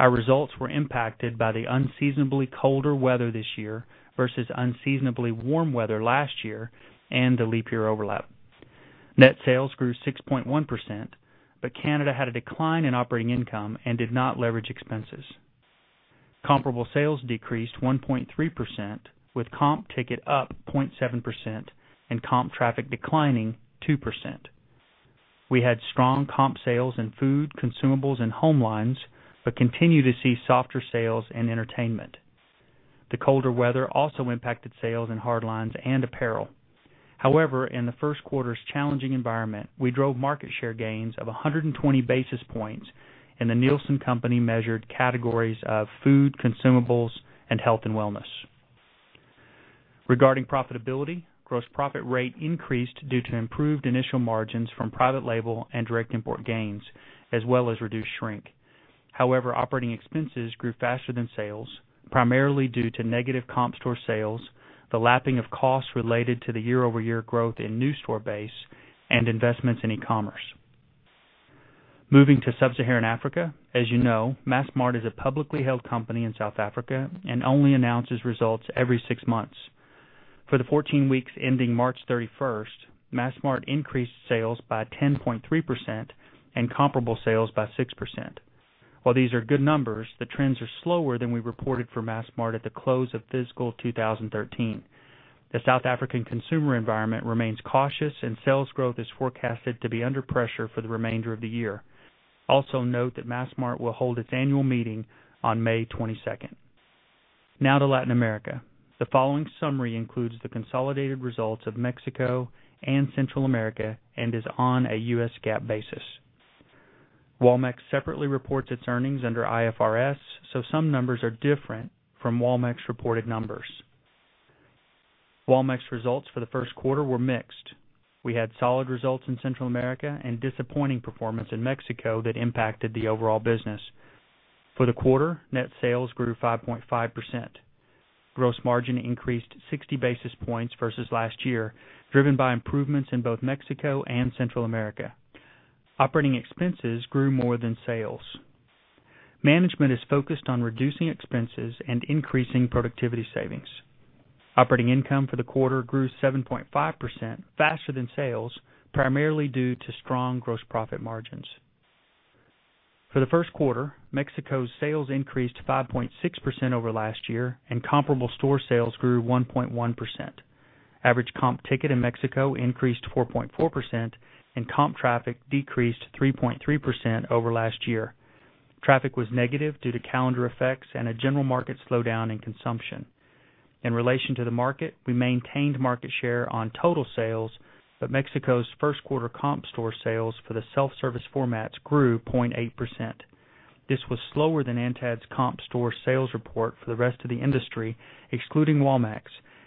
Our results were impacted by the unseasonably colder weather this year versus unseasonably warm weather last year and the leap year overlap. Net sales grew 6.1%, but Canada had a decline in operating income and did not leverage expenses. Comparable sales decreased 1.3%, with comp ticket up 0.7% and comp traffic declining 2%. We had strong comp sales in food, consumables, and home lines but continue to see softer sales in entertainment. The colder weather also impacted sales in hard lines and apparel. However, in the first quarter's challenging environment, we drove market share gains of 120 basis points in The Nielsen Company-measured categories of food, consumables, and health and wellness. Regarding profitability, gross profit rate increased due to improved initial margins from private label and direct import gains, as well as reduced shrink. However, operating expenses grew faster than sales, primarily due to negative comp store sales, the lapping of costs related to the year-over-year growth in new store base, and investments in e-commerce. Moving to sub-Saharan Africa. As you know, Massmart is a publicly held company in South Africa and only announces results every six months. For the 14 weeks ending March 31st, Massmart increased sales by 10.3% and comparable sales by 6%. While these are good numbers, the trends are slower than we reported for Massmart at the close of fiscal 2013. The South African consumer environment remains cautious, and sales growth is forecasted to be under pressure for the remainder of the year. Also note that Massmart will hold its annual meeting on May 22nd. Now to Latin America. The following summary includes the consolidated results of Mexico and Central America and is on a U.S. GAAP basis. Walmex separately reports its earnings under IFRS, so some numbers are different from Walmex-reported numbers. Walmex results for the first quarter were mixed. We had solid results in Central America and disappointing performance in Mexico that impacted the overall business. For the quarter, net sales grew 5.5%. Gross margin increased 60 basis points versus last year, driven by improvements in both Mexico and Central America. Operating expenses grew more than sales. Management is focused on reducing expenses and increasing productivity savings. Operating income for the quarter grew 7.5% faster than sales, primarily due to strong gross profit margins. For the first quarter, Mexico's sales increased 5.6% over last year and comparable store sales grew 1.1%. Average comp ticket in Mexico increased 4.4% and comp traffic decreased 3.3% over last year. Traffic was negative due to calendar effects and a general market slowdown in consumption. In relation to the market, we maintained market share on total sales, but Mexico's first quarter comp store sales for the self-service formats grew 0.8%. This was slower than ANTAD's comp store sales report for the rest of the industry, excluding Walmex,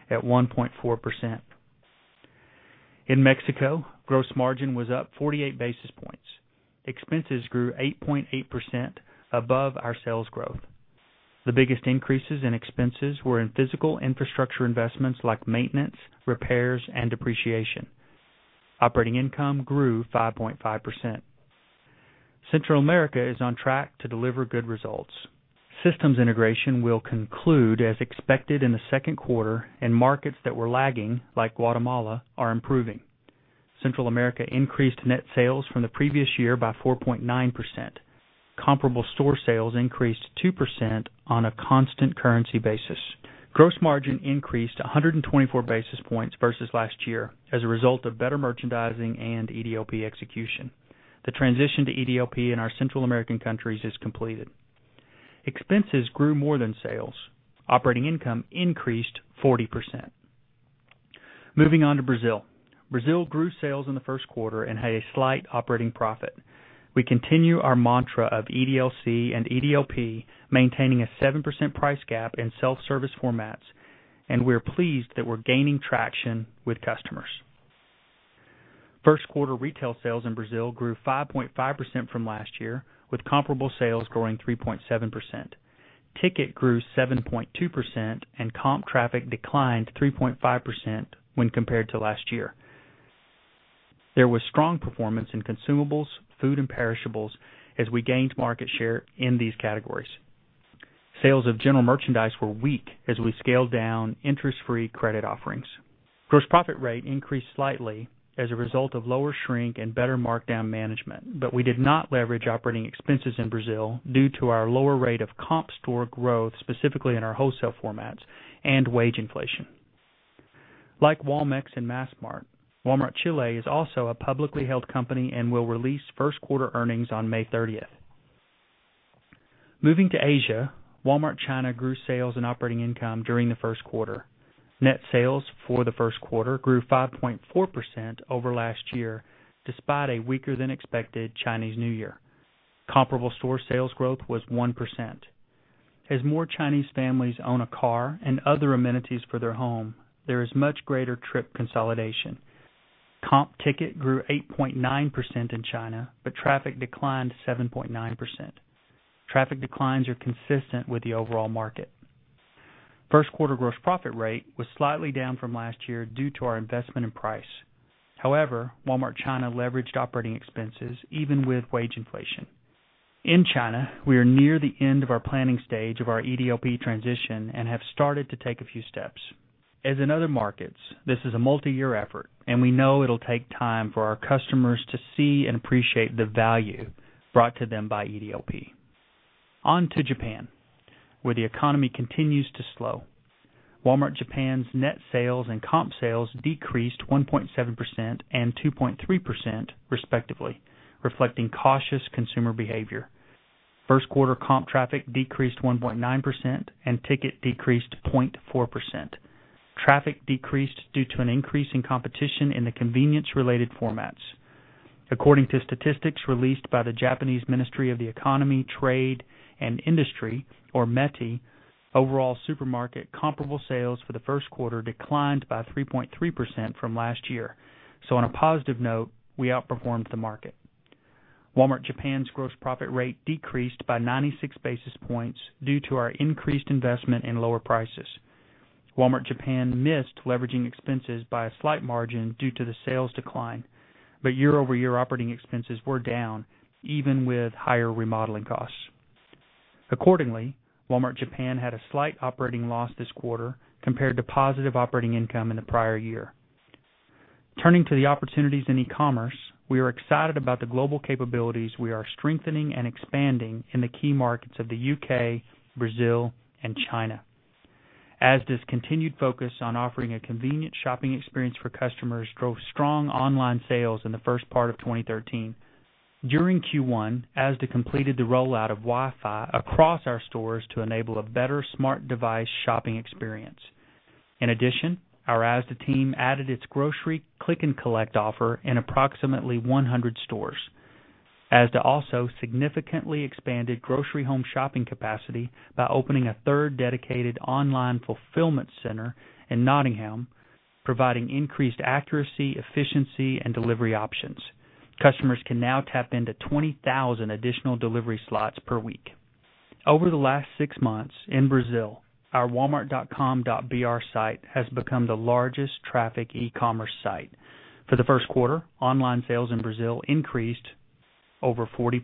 at 1.4%. In Mexico, gross margin was up 48 basis points. Expenses grew 8.8% above our sales growth. The biggest increases in expenses were in physical infrastructure investments like maintenance, repairs, and depreciation. Operating income grew 5.5%. Central America is on track to deliver good results. Systems integration will conclude as expected in the second quarter, and markets that were lagging, like Guatemala, are improving. Central America increased net sales from the previous year by 4.9%. Comparable store sales increased 2% on a constant currency basis. Gross margin increased 124 basis points versus last year as a result of better merchandising and EDLP execution. The transition to EDLP in our Central American countries is completed. Expenses grew more than sales. Operating income increased 40%. Moving on to Brazil. Brazil grew sales in the first quarter and had a slight operating profit. We continue our mantra of EDLC and EDLP, maintaining a 7% price gap in self-service formats. We're pleased that we're gaining traction with customers. First quarter retail sales in Brazil grew 5.5% from last year, with comparable sales growing 3.7%. Ticket grew 7.2% and comp traffic declined 3.5% when compared to last year. There was strong performance in consumables, food, and perishables as we gained market share in these categories. Sales of general merchandise were weak as we scaled down interest-free credit offerings. Gross profit rate increased slightly as a result of lower shrink and better markdown management. We did not leverage operating expenses in Brazil due to our lower rate of comp store growth, specifically in our wholesale formats, and wage inflation. Like Walmex and Massmart, Walmart Chile is also a publicly held company and will release first-quarter earnings on May 30th. Moving to Asia, Walmart China grew sales and operating income during the first quarter. Net sales for the first quarter grew 5.4% over last year, despite a weaker-than-expected Chinese New Year. Comparable store sales growth was 1%. As more Chinese families own a car and other amenities for their home, there is much greater trip consolidation. Comp ticket grew 8.9% in China. Traffic declined 7.9%. Traffic declines are consistent with the overall market. First quarter gross profit rate was slightly down from last year due to our investment in price. However, Walmart China leveraged operating expenses even with wage inflation. In China, we are near the end of our planning stage of our EDLP transition and have started to take a few steps. As in other markets, this is a multi-year effort. We know it'll take time for our customers to see and appreciate the value brought to them by EDLP. On to Japan, where the economy continues to slow. Walmart Japan's net sales and comp sales decreased 1.7% and 2.3% respectively, reflecting cautious consumer behavior. First quarter comp traffic decreased 1.9% and ticket decreased 0.4%. Traffic decreased due to an increase in competition in the convenience-related formats. According to statistics released by the Japanese Ministry of Economy, Trade and Industry, or METI, overall supermarket comparable sales for the first quarter declined by 3.3% from last year. On a positive note, we outperformed the market. Walmart Japan's gross profit rate decreased by 96 basis points due to our increased investment in lower prices. Walmart Japan missed leveraging expenses by a slight margin due to the sales decline, but year-over-year operating expenses were down, even with higher remodeling costs. Accordingly, Walmart Japan had a slight operating loss this quarter compared to positive operating income in the prior year. Turning to the opportunities in e-commerce, we are excited about the global capabilities we are strengthening and expanding in the key markets of the U.K., Brazil, and China. Asda's continued focus on offering a convenient shopping experience for customers drove strong online sales in the first part of 2013. During Q1, Asda completed the rollout of Wi-Fi across our stores to enable a better smart device shopping experience. In addition, our Asda team added its grocery click and collect offer in approximately 100 stores. Asda also significantly expanded grocery home shopping capacity by opening a third dedicated online fulfillment center in Nottingham, providing increased accuracy, efficiency, and delivery options. Customers can now tap into 20,000 additional delivery slots per week. Over the last six months in Brazil, our walmart.com.br site has become the largest traffic e-commerce site. For the first quarter, online sales in Brazil increased over 40%.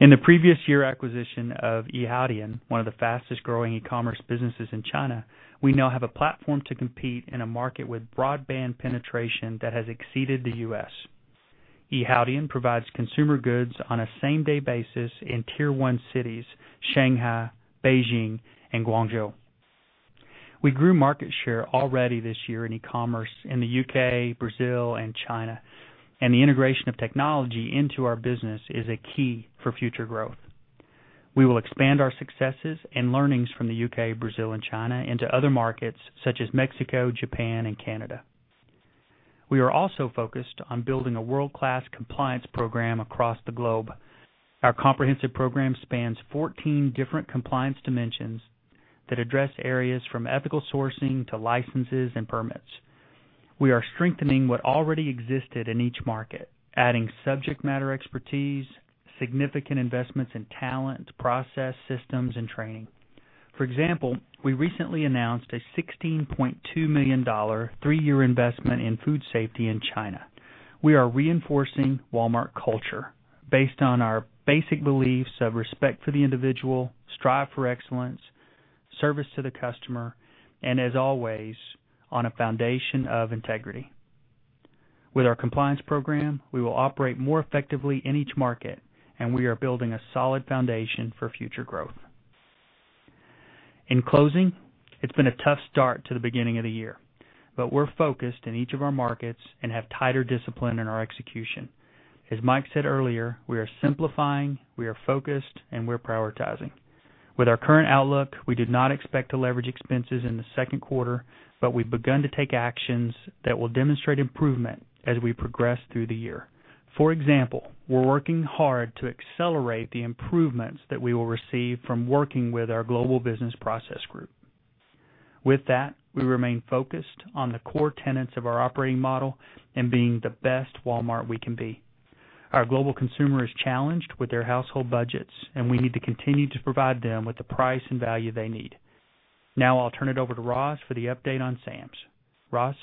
In the previous year acquisition of Yihaodian, one of the fastest-growing e-commerce businesses in China, we now have a platform to compete in a market with broadband penetration that has exceeded the U.S. Yihaodian provides consumer goods on a same-day basis in tier 1 cities Shanghai, Beijing, and Guangzhou. We grew market share already this year in e-commerce in the U.K., Brazil, and China. The integration of technology into our business is a key for future growth. We will expand our successes and learnings from the U.K., Brazil, and China into other markets such as Mexico, Japan, and Canada. We are also focused on building a world-class compliance program across the globe. Our comprehensive program spans 14 different compliance dimensions that address areas from ethical sourcing to licenses and permits. We are strengthening what already existed in each market, adding subject matter expertise, significant investments in talent, process, systems, and training. For example, we recently announced a $16.2 million three-year investment in food safety in China. We are reinforcing Walmart culture based on our basic beliefs of respect for the individual, strive for excellence, service to the customer, and as always, on a foundation of integrity. With our compliance program, we will operate more effectively in each market. We are building a solid foundation for future growth. In closing, it's been a tough start to the beginning of the year. We're focused in each of our markets and have tighter discipline in our execution. As Mike Duke said earlier, we are simplifying, we are focused, and we're prioritizing. With our current outlook, we did not expect to leverage expenses in the second quarter. We've begun to take actions that will demonstrate improvement as we progress through the year. For example, we're working hard to accelerate the improvements that we will receive from working with our global business process group. With that, we remain focused on the core tenets of our operating model and being the best Walmart we can be. Our global consumer is challenged with their household budgets. We need to continue to provide them with the price and value they need. Now I'll turn it over to Roz for the update on Sam's Club. Roz?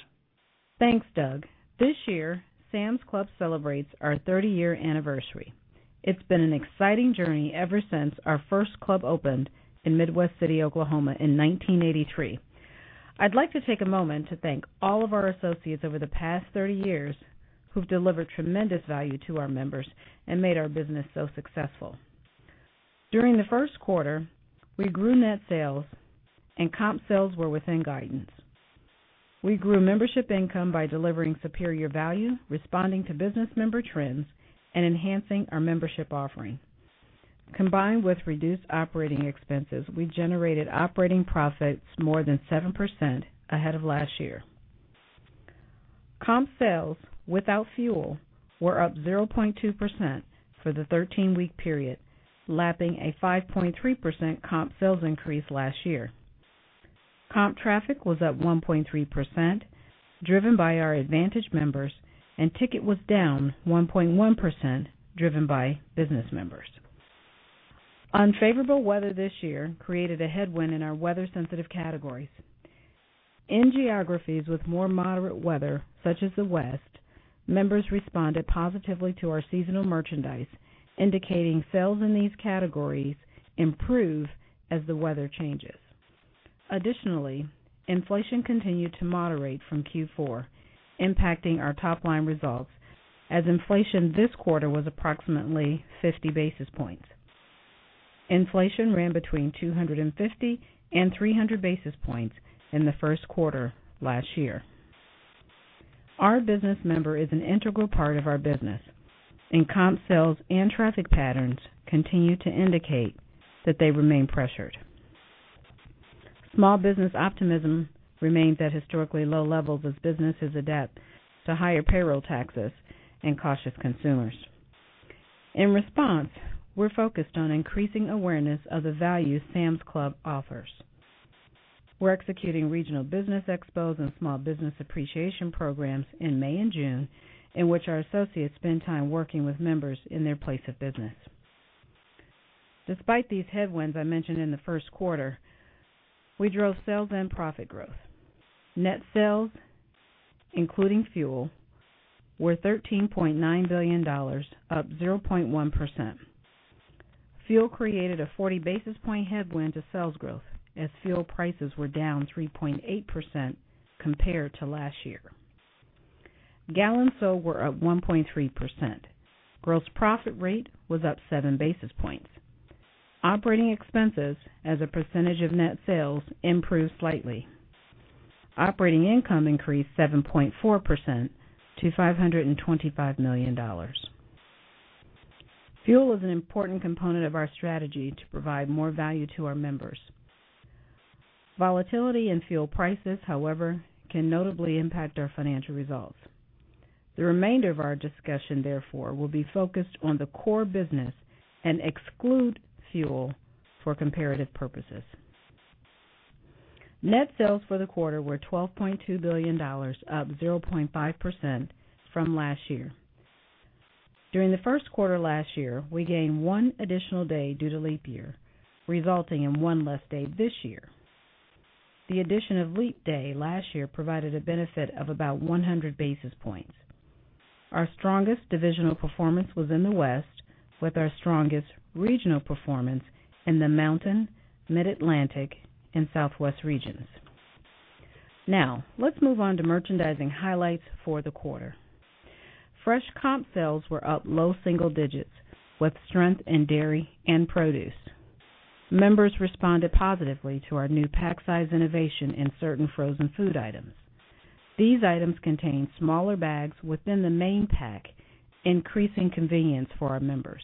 Thanks, Doug. This year, Sam's Club celebrates our 30-year anniversary. It's been an exciting journey ever since our first club opened in Midwest City, Oklahoma in 1983. I'd like to take a moment to thank all of our associates over the past 30 years who've delivered tremendous value to our members and made our business so successful. During the first quarter, we grew net sales and comp sales were within guidance. We grew membership income by delivering superior value, responding to business member trends, and enhancing our membership offering. Combined with reduced operating expenses, we generated operating profits more than 7% ahead of last year. Comp sales without fuel were up 0.2% for the 13-week period, lapping a 5.3% comp sales increase last year. Comp traffic was up 1.3%, driven by our Advantage members, and ticket was down 1.1%, driven by business members. Unfavorable weather this year created a headwind in our weather-sensitive categories. In geographies with more moderate weather, such as the West, members responded positively to our seasonal merchandise, indicating sales in these categories improve as the weather changes. Additionally, inflation continued to moderate from Q4, impacting our top-line results as inflation this quarter was approximately 50 basis points. Inflation ran between 250 and 300 basis points in the first quarter last year. Our business member is an integral part of our business, and comp sales and traffic patterns continue to indicate that they remain pressured. Small business optimism remains at historically low levels as businesses adapt to higher payroll taxes and cautious consumers. In response, we're focused on increasing awareness of the value Sam's Club offers. We're executing regional business expos and small business appreciation programs in May and June, in which our associates spend time working with members in their place of business. Despite these headwinds I mentioned in the first quarter, we drove sales and profit growth. Net sales, including fuel, were $13.9 billion, up 0.1%. Fuel created a 40-basis-point headwind to sales growth as fuel prices were down 3.8% compared to last year. Gallons sold were up 1.3%. Gross profit rate was up 7 basis points. Operating expenses as a percentage of net sales improved slightly. Operating income increased 7.4% to $525 million. Fuel is an important component of our strategy to provide more value to our members. Volatility in fuel prices, however, can notably impact our financial results. The remainder of our discussion, therefore, will be focused on the core business and exclude fuel for comparative purposes. Net sales for the quarter were $12.2 billion, up 0.5% from last year. During the first quarter last year, we gained one additional day due to leap year, resulting in one less day this year. The addition of leap day last year provided a benefit of about 100 basis points. Our strongest divisional performance was in the West, with our strongest regional performance in the Mountain, Mid-Atlantic, and Southwest regions. Now, let's move on to merchandising highlights for the quarter. Fresh comp sales were up low single digits, with strength in dairy and produce. Members responded positively to our new pack size innovation in certain frozen food items. These items contain smaller bags within the main pack, increasing convenience for our members.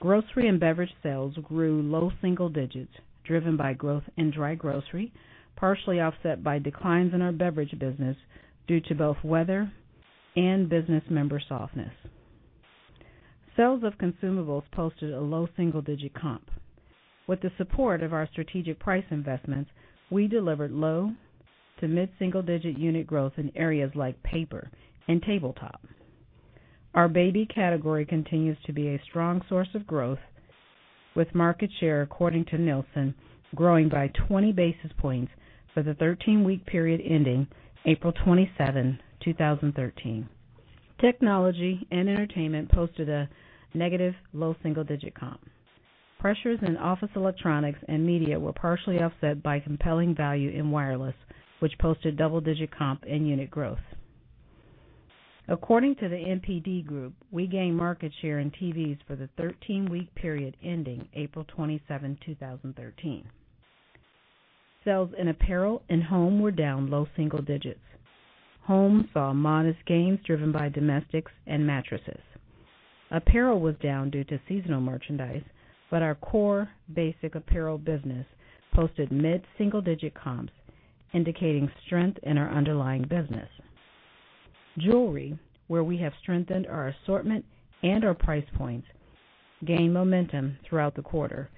Grocery and beverage sales grew low single digits, driven by growth in dry grocery, partially offset by declines in our beverage business due to both weather and business member softness. Sales of consumables posted a low single-digit comp. With the support of our strategic price investments, we delivered low to mid-single-digit unit growth in areas like paper and tabletop. Our baby category continues to be a strong source of growth, with market share according to Nielsen growing by 20 basis points for the 13-week period ending April 27, 2013. Technology and entertainment posted a negative low single-digit comp. Pressures in office electronics and media were partially offset by compelling value in wireless, which posted double-digit comp and unit growth. According to the NPD Group, we gained market share in TVs for the 13-week period ending April 27, 2013. Sales in apparel and home were down low single digits. Home saw modest gains driven by domestics and mattresses. Apparel was down due to seasonal merchandise, our core basic apparel business posted mid-single-digit comps, indicating strength in our underlying business. Jewelry, where we have strengthened our assortment and our price points, gained momentum throughout the quarter.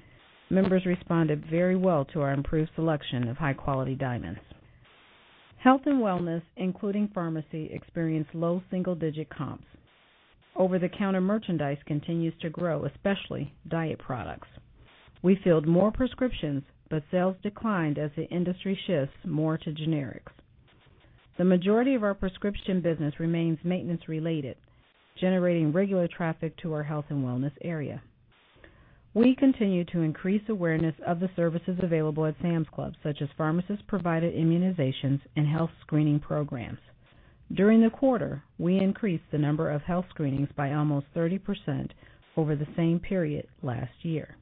Members responded very well to our improved selection of high-quality diamonds. Health and wellness, including pharmacy, experienced low double-digit comps. Over-the-counter merchandise continues to grow, especially diet products. We filled more prescriptions, sales declined as the industry shifts more to generics. The majority of our prescription business remains maintenance-related, generating regular traffic to our health and wellness area. We continue to increase awareness of the services available at Sam's Club, such as pharmacist-provided immunizations and health screening programs. During the quarter, we increased the number of health screenings by almost 30% over the same period last year.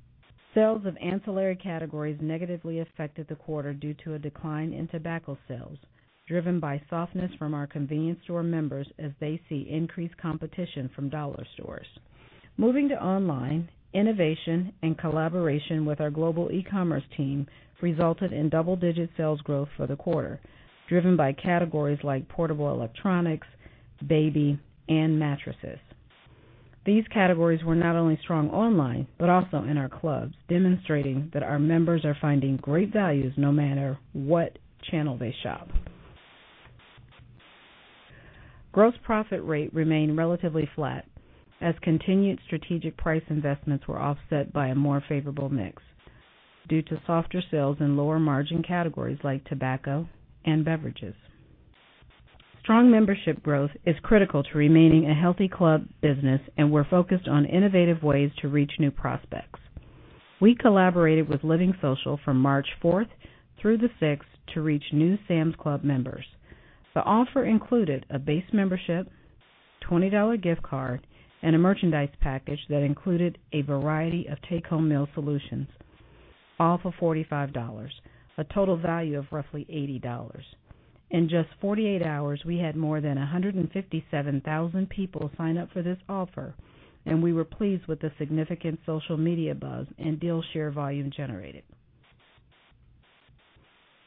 Sales of ancillary categories negatively affected the quarter due to a decline in tobacco sales, driven by softness from our convenience store members as they see increased competition from dollar stores. Moving to online, innovation, and collaboration with our global e-commerce team resulted in double-digit sales growth for the quarter, driven by categories like portable electronics, baby, and mattresses. These categories were not only strong online but also in our clubs, demonstrating that our members are finding great values no matter what channel they shop. Gross profit rate remained relatively flat as continued strategic price investments were offset by a more favorable mix due to softer sales in lower-margin categories like tobacco and beverages. Strong membership growth is critical to remaining a healthy club business, we're focused on innovative ways to reach new prospects. We collaborated with LivingSocial from March 4th through the 6th to reach new Sam's Club members. The offer included a base membership, $20 gift card, and a merchandise package that included a variety of take-home meal solutions, all for $45, a total value of roughly $80. In just 48 hours, we had more than 157,000 people sign up for this offer, we were pleased with the significant social media buzz and deal share volume generated.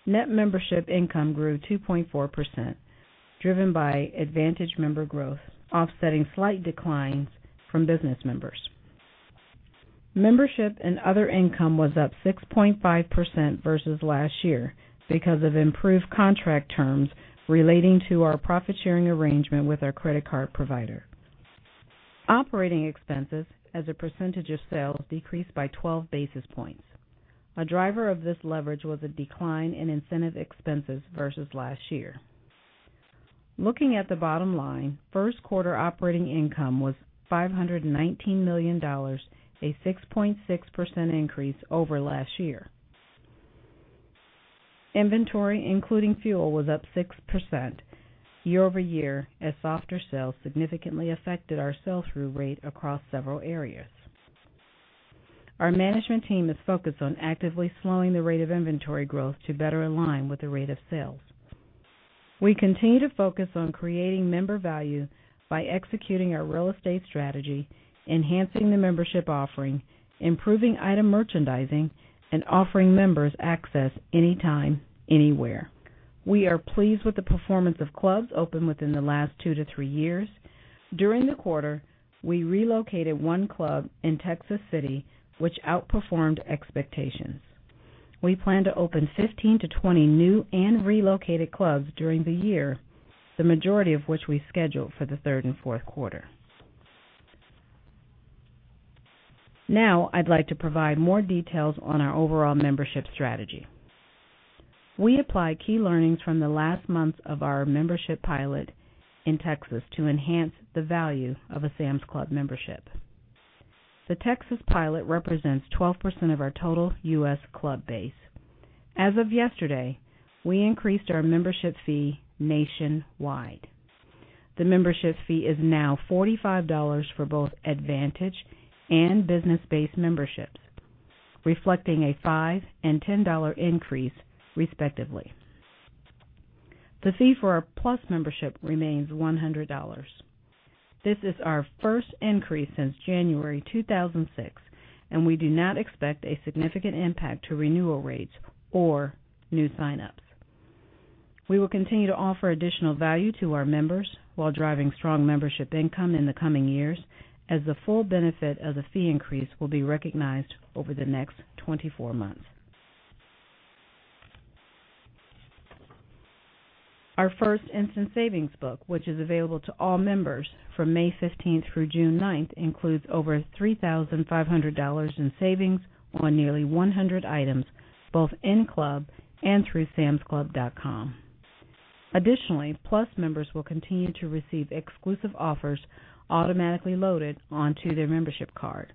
Net membership income grew 2.4%, driven by Advantage member growth, offsetting slight declines from business members. Membership and other income was up 6.5% versus last year because of improved contract terms relating to our profit-sharing arrangement with our credit card provider. Operating expenses as a percentage of sales decreased by 12 basis points. A driver of this leverage was a decline in incentive expenses versus last year. Looking at the bottom line, first quarter operating income was $519 million, a 6.6% increase over last year. Inventory, including fuel, was up 6% year-over-year as softer sales significantly affected our sell-through rate across several areas. Our management team is focused on actively slowing the rate of inventory growth to better align with the rate of sales. We continue to focus on creating member value by executing our real estate strategy, enhancing the membership offering, improving item merchandising, and offering members access anytime, anywhere. We are pleased with the performance of clubs opened within the last two to three years. During the quarter, we relocated one club in Texas City, which outperformed expectations. We plan to open 15 to 20 new and relocated clubs during the year, the majority of which we schedule for the third and fourth quarter. I'd like to provide more details on our overall membership strategy. We apply key learnings from the last months of our membership pilot in Texas to enhance the value of a Sam's Club membership. The Texas pilot represents 12% of our total U.S. club base. As of yesterday, we increased our membership fee nationwide. The membership fee is now $45 for both Advantage and Business Base memberships, reflecting a $5 and $10 increase, respectively. The fee for our Plus membership remains $100. This is our first increase since January 2006, and we do not expect a significant impact to renewal rates or new sign-ups. We will continue to offer additional value to our members while driving strong membership income in the coming years, as the full benefit of the fee increase will be recognized over the next 24 months. Our first instant savings book, which is available to all members from May 15th through June 9th, includes over $3,500 in savings on nearly 100 items, both in-club and through samsclub.com. Additionally, Plus members will continue to receive exclusive offers automatically loaded onto their membership card,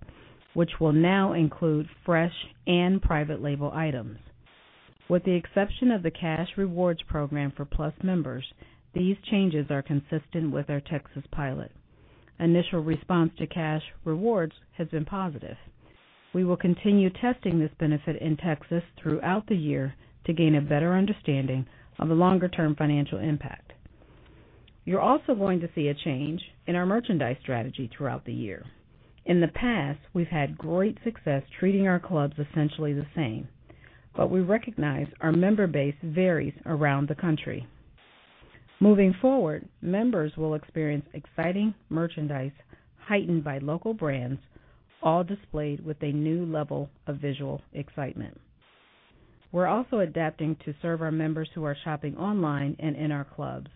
which will now include fresh and private label items. With the exception of the Cash Rewards Program for Plus members, these changes are consistent with our Texas pilot. Initial response to Cash Rewards has been positive. We will continue testing this benefit in Texas throughout the year to gain a better understanding of the longer-term financial impact. You're also going to see a change in our merchandise strategy throughout the year. In the past, we've had great success treating our clubs essentially the same, but we recognize our member base varies around the country. Moving forward, members will experience exciting merchandise heightened by local brands, all displayed with a new level of visual excitement. We're also adapting to serve our members who are shopping online and in our clubs.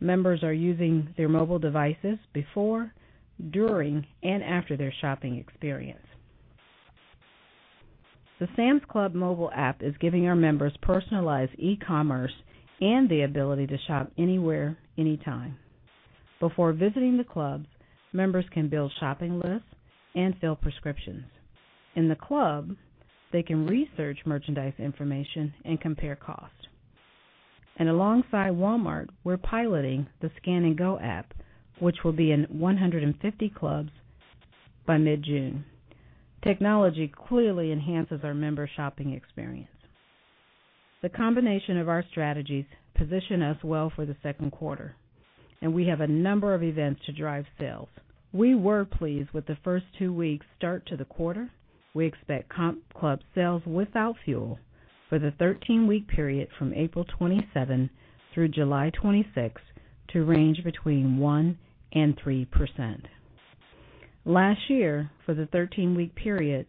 Members are using their mobile devices before, during, and after their shopping experience. The Sam's Club mobile app is giving our members personalized e-commerce and the ability to shop anywhere, anytime. Before visiting the clubs, members can build shopping lists and fill prescriptions. In the club, they can research merchandise information and compare cost. Alongside Walmart, we're piloting the Scan and Go app, which will be in 150 clubs by mid-June. Technology clearly enhances our member shopping experience. The combination of our strategies position us well for the second quarter, and we have a number of events to drive sales. We were pleased with the first two weeks start to the quarter. We expect comp club sales without fuel for the 13-week period from April 27 through July 26 to range between 1% and 3%. Last year, for the 13-week period,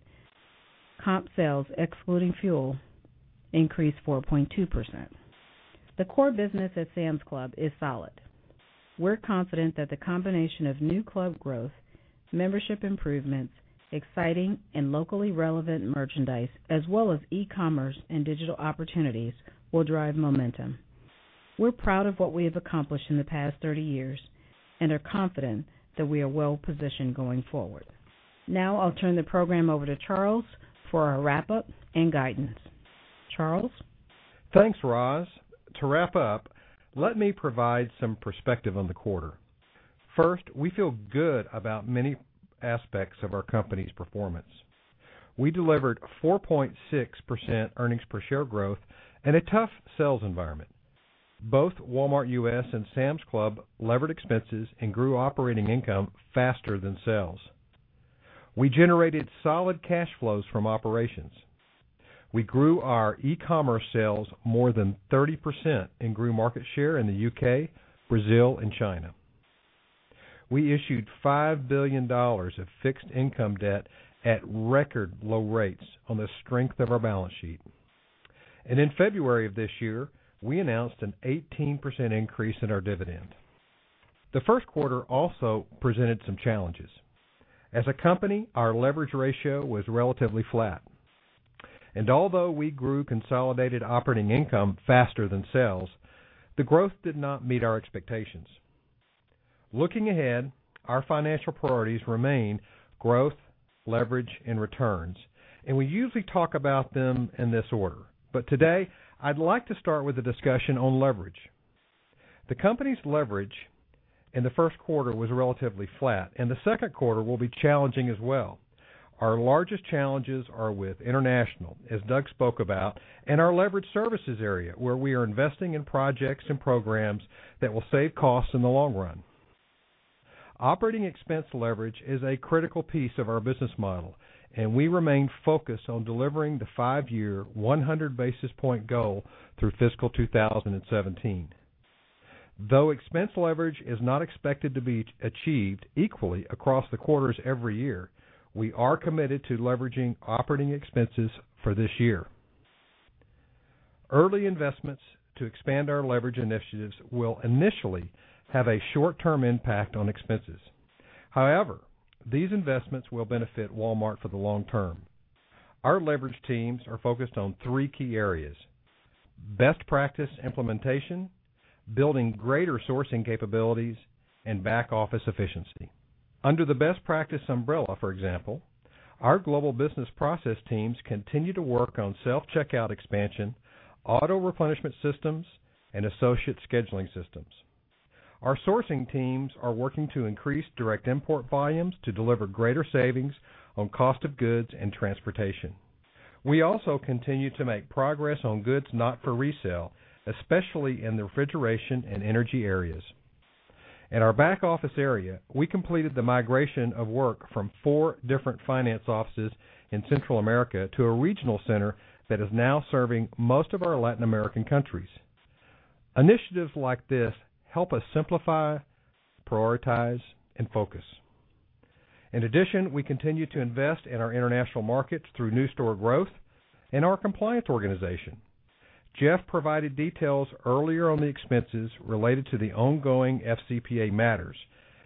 comp sales excluding fuel increased 4.2%. The core business at Sam's Club is solid. We're confident that the combination of new club growth, membership improvements, exciting and locally relevant merchandise, as well as e-commerce and digital opportunities will drive momentum. We're proud of what we have accomplished in the past 30 years and are confident that we are well-positioned going forward. Now I'll turn the program over to Charles for our wrap-up and guidance. Charles? Thanks, Roz. To wrap up, let me provide some perspective on the quarter. First, we feel good about many aspects of our company's performance. We delivered 4.6% earnings per share growth in a tough sales environment. Both Walmart U.S. and Sam's Club levered expenses and grew operating income faster than sales. We generated solid cash flows from operations. We grew our e-commerce sales more than 30% and grew market share in the U.K., Brazil, and China. We issued $5 billion of fixed income debt at record low rates on the strength of our balance sheet. In February of this year, we announced an 18% increase in our dividend. The first quarter also presented some challenges. As a company, our leverage ratio was relatively flat. Although we grew consolidated operating income faster than sales, the growth did not meet our expectations. Looking ahead, our financial priorities remain growth, leverage, and returns, and we usually talk about them in this order. Today, I'd like to start with a discussion on leverage. The company's leverage in the first quarter was relatively flat, and the second quarter will be challenging as well. Our largest challenges are with international, as Doug spoke about, and our leverage services area, where we are investing in projects and programs that will save costs in the long run. Operating expense leverage is a critical piece of our business model, and we remain focused on delivering the five-year 100 basis point goal through fiscal 2017. Though expense leverage is not expected to be achieved equally across the quarters every year, we are committed to leveraging operating expenses for this year. Early investments to expand our leverage initiatives will initially have a short-term impact on expenses. However, these investments will benefit Walmart for the long term. Our leverage teams are focused on three key areas: best practice implementation, building greater sourcing capabilities, and back office efficiency. Under the best practice umbrella, for example, our global business process teams continue to work on self-checkout expansion, auto-replenishment systems, and associate scheduling systems. Our sourcing teams are working to increase direct import volumes to deliver greater savings on cost of goods and transportation. We also continue to make progress on goods not for resale, especially in the refrigeration and energy areas. In our back office area, we completed the migration of work from four different finance offices in Central America to a regional center that is now serving most of our Latin American countries. Initiatives like this help us simplify, prioritize, and focus. In addition, we continue to invest in our international markets through new store growth and our compliance organization. Jeff provided details earlier on the expenses related to the ongoing FCPA matters,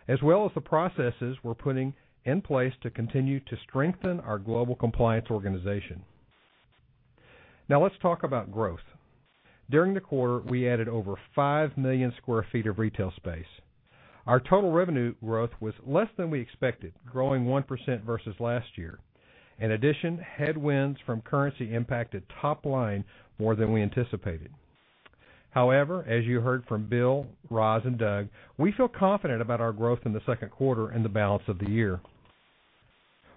as well as the processes we're putting in place to continue to strengthen our global compliance organization. Let's talk about growth. During the quarter, we added over 5 million square feet of retail space. Our total revenue growth was less than we expected, growing 1% versus last year. In addition, headwinds from currency impacted top line more than we anticipated. However, as you heard from Bill, Roz, and Doug, we feel confident about our growth in the second quarter and the balance of the year.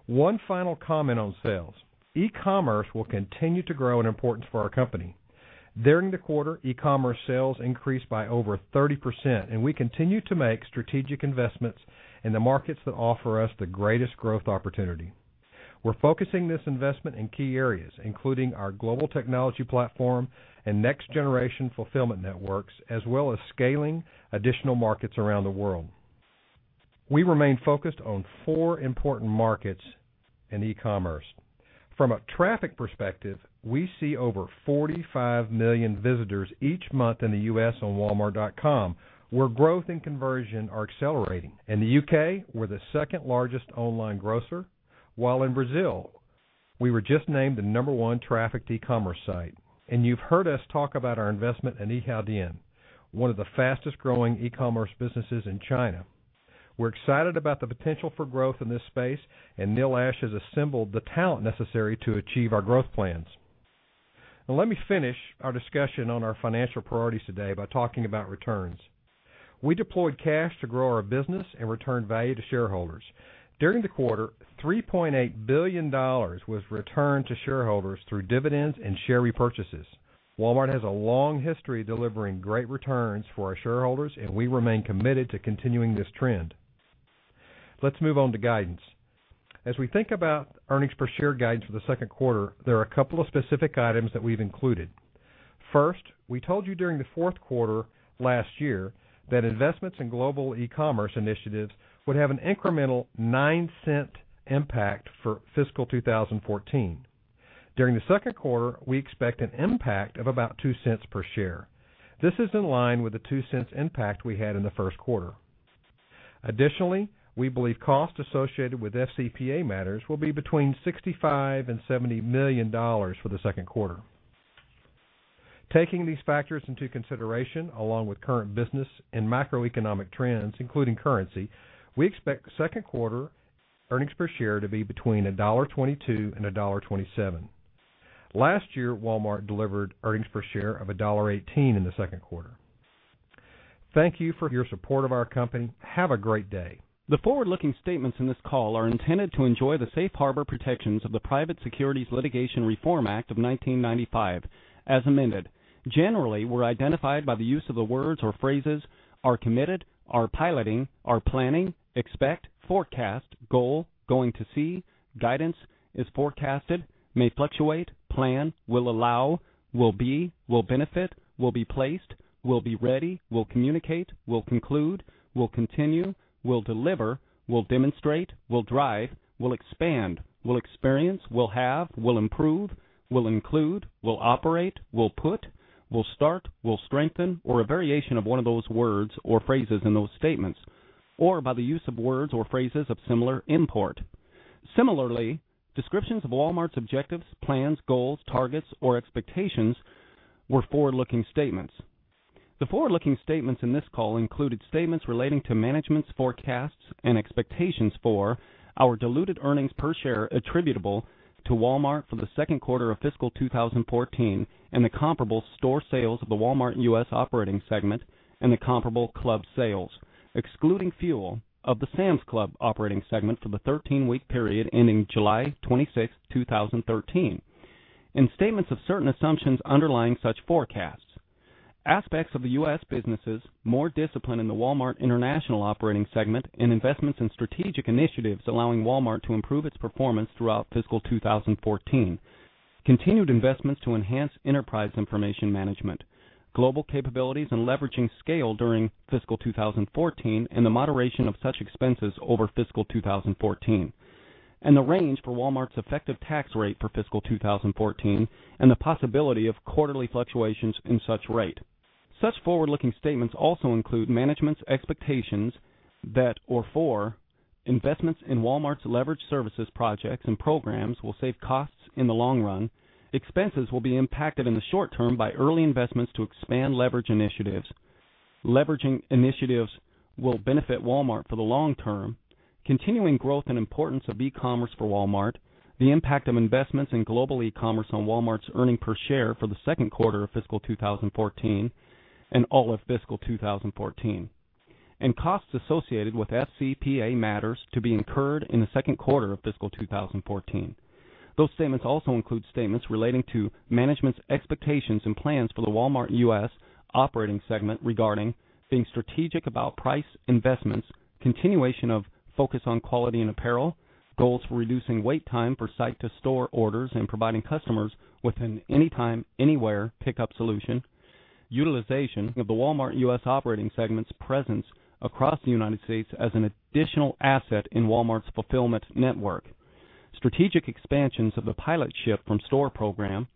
One final comment on sales. E-commerce will continue to grow in importance for our company. During the quarter, e-commerce sales increased by over 30%, and we continue to make strategic investments in the markets that offer us the greatest growth opportunity. We're focusing this investment in key areas, including our global technology platform and next-generation fulfillment networks, as well as scaling additional markets around the world. We remain focused on four important markets in e-commerce. From a traffic perspective, we see over 45 million visitors each month in the U.S. on walmart.com, where growth and conversion are accelerating. In the U.K., we're the second-largest online grocer, while in Brazil, we were just named the number 1 trafficked e-commerce site. You've heard us talk about our investment in Yihaodian, one of the fastest-growing e-commerce businesses in China. We're excited about the potential for growth in this space. Neil Ashe has assembled the talent necessary to achieve our growth plans. Let me finish our discussion on our financial priorities today by talking about returns. We deployed cash to grow our business and return value to shareholders. During the quarter, $3.8 billion was returned to shareholders through dividends and share repurchases. Walmart has a long history of delivering great returns for our shareholders. We remain committed to continuing this trend. Let's move on to guidance. As we think about earnings per share guidance for the second quarter, there are a couple of specific items that we've included. First, we told you during the fourth quarter last year that investments in Global eCommerce initiatives would have an incremental $0.09 impact for fiscal 2014. During the second quarter, we expect an impact of about $0.02 per share. This is in line with the $0.02 impact we had in the first quarter. Additionally, we believe costs associated with FCPA matters will be between $65 million-$70 million for the second quarter. Taking these factors into consideration, along with current business and macroeconomic trends, including currency, we expect second quarter earnings per share to be between $1.22-$1.27. Last year, Walmart delivered earnings per share of $1.18 in the second quarter. Thank you for your support of our company. Have a great day. The forward-looking statements in this call are intended to enjoy the safe harbor protections of the Private Securities Litigation Reform Act of 1995, as amended. Generally, we're identified by the use of the words or phrases are committed, are piloting, are planning, expect, forecast, goal, going to see, guidance, is forecasted, may fluctuate, plan, will allow, will be, will benefit, will be placed, will be ready, will communicate, will conclude, will continue, will deliver, will demonstrate, will drive, will expand, will experience, will have, will improve, will include, will operate, will put, will start, will strengthen, or a variation of one of those words or phrases in those statements, or by the use of words or phrases of similar import. Similarly, descriptions of Walmart's objectives, plans, goals, targets, or expectations were forward-looking statements. The forward-looking statements in this call included statements relating to management's forecasts and expectations for our diluted earnings per share attributable to Walmart for the second quarter of fiscal 2014 and the comparable store sales of the Walmart U.S. operating segment and the comparable club sales, excluding fuel of the Sam's Club operating segment for the 13-week period ending July 26th, 2013, and statements of certain assumptions underlying such forecasts, aspects of the U.S. businesses, more discipline in the Walmart International operating segment, and investments in strategic initiatives allowing Walmart to improve its performance throughout fiscal 2014, continued investments to enhance enterprise information management, global capabilities, and leveraging scale during fiscal 2014, and the moderation of such expenses over fiscal 2014, and the range for Walmart's effective tax rate for fiscal 2014 and the possibility of quarterly fluctuations in such rate. Such forward-looking statements also include management's expectations that investments in Walmart's leverage services projects and programs will save costs in the long run, that expenses will be impacted in the short term by early investments to expand leverage initiatives, that leveraging initiatives will benefit Walmart for the long term, for continuing growth and importance of e-commerce for Walmart, for the impact of investments in global e-commerce on Walmart's earnings per share for the second quarter of fiscal 2014 and all of fiscal 2014, and for costs associated with FCPA matters to be incurred in the second quarter of fiscal 2014. Those statements also include statements relating to management's expectations and plans for the Walmart U.S. operating segment regarding being strategic about price investments, continuation of focus on quality and apparel, goals for reducing wait time for site-to-store orders, and providing customers with an anytime, anywhere pickup solution, utilization of the Walmart U.S. operating segment's presence across the U.S. as an additional asset in Walmart's fulfillment network, strategic expansions of the pilot Ship from Store program,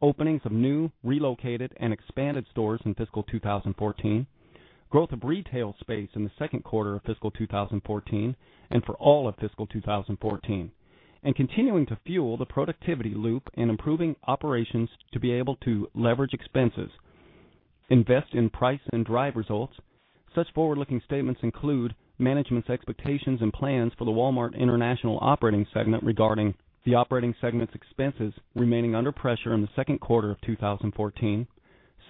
openings of new, relocated, and expanded stores in fiscal 2014, growth of retail space in the second quarter of fiscal 2014 and for all of fiscal 2014, and continuing to fuel the productivity loop and improving operations to be able to leverage expenses, invest in price and drive results. Such forward-looking statements include management's expectations and plans for the Walmart International operating segment regarding the operating segment's expenses remaining under pressure in the second quarter of 2014,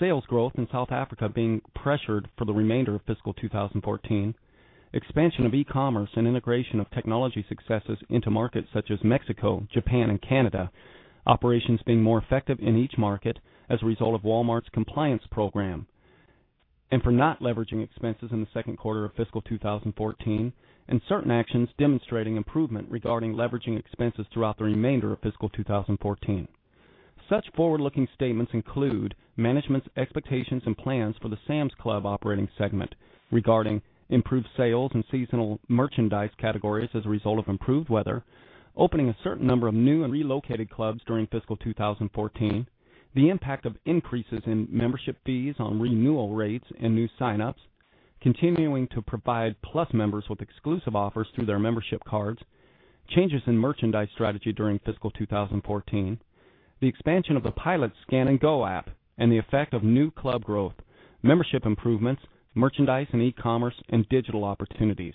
sales growth in South Africa being pressured for the remainder of fiscal 2014, expansion of e-commerce and integration of technology successes into markets such as Mexico, Japan, and Canada, operations being more effective in each market as a result of Walmart's compliance program, and for not leveraging expenses in the second quarter of fiscal 2014, and certain actions demonstrating improvement regarding leveraging expenses throughout the remainder of fiscal 2014. Such forward-looking statements include management's expectations and plans for the Sam's Club operating segment regarding improved sales and seasonal merchandise categories as a result of improved weather, opening a certain number of new and relocated clubs during fiscal 2014, the impact of increases in membership fees on renewal rates and new sign-ups, continuing to provide Plus members with exclusive offers through their membership cards, changes in merchandise strategy during fiscal 2014, the expansion of the pilot Scan & Go app, and the effect of new club growth, membership improvements, merchandise, and e-commerce and digital opportunities.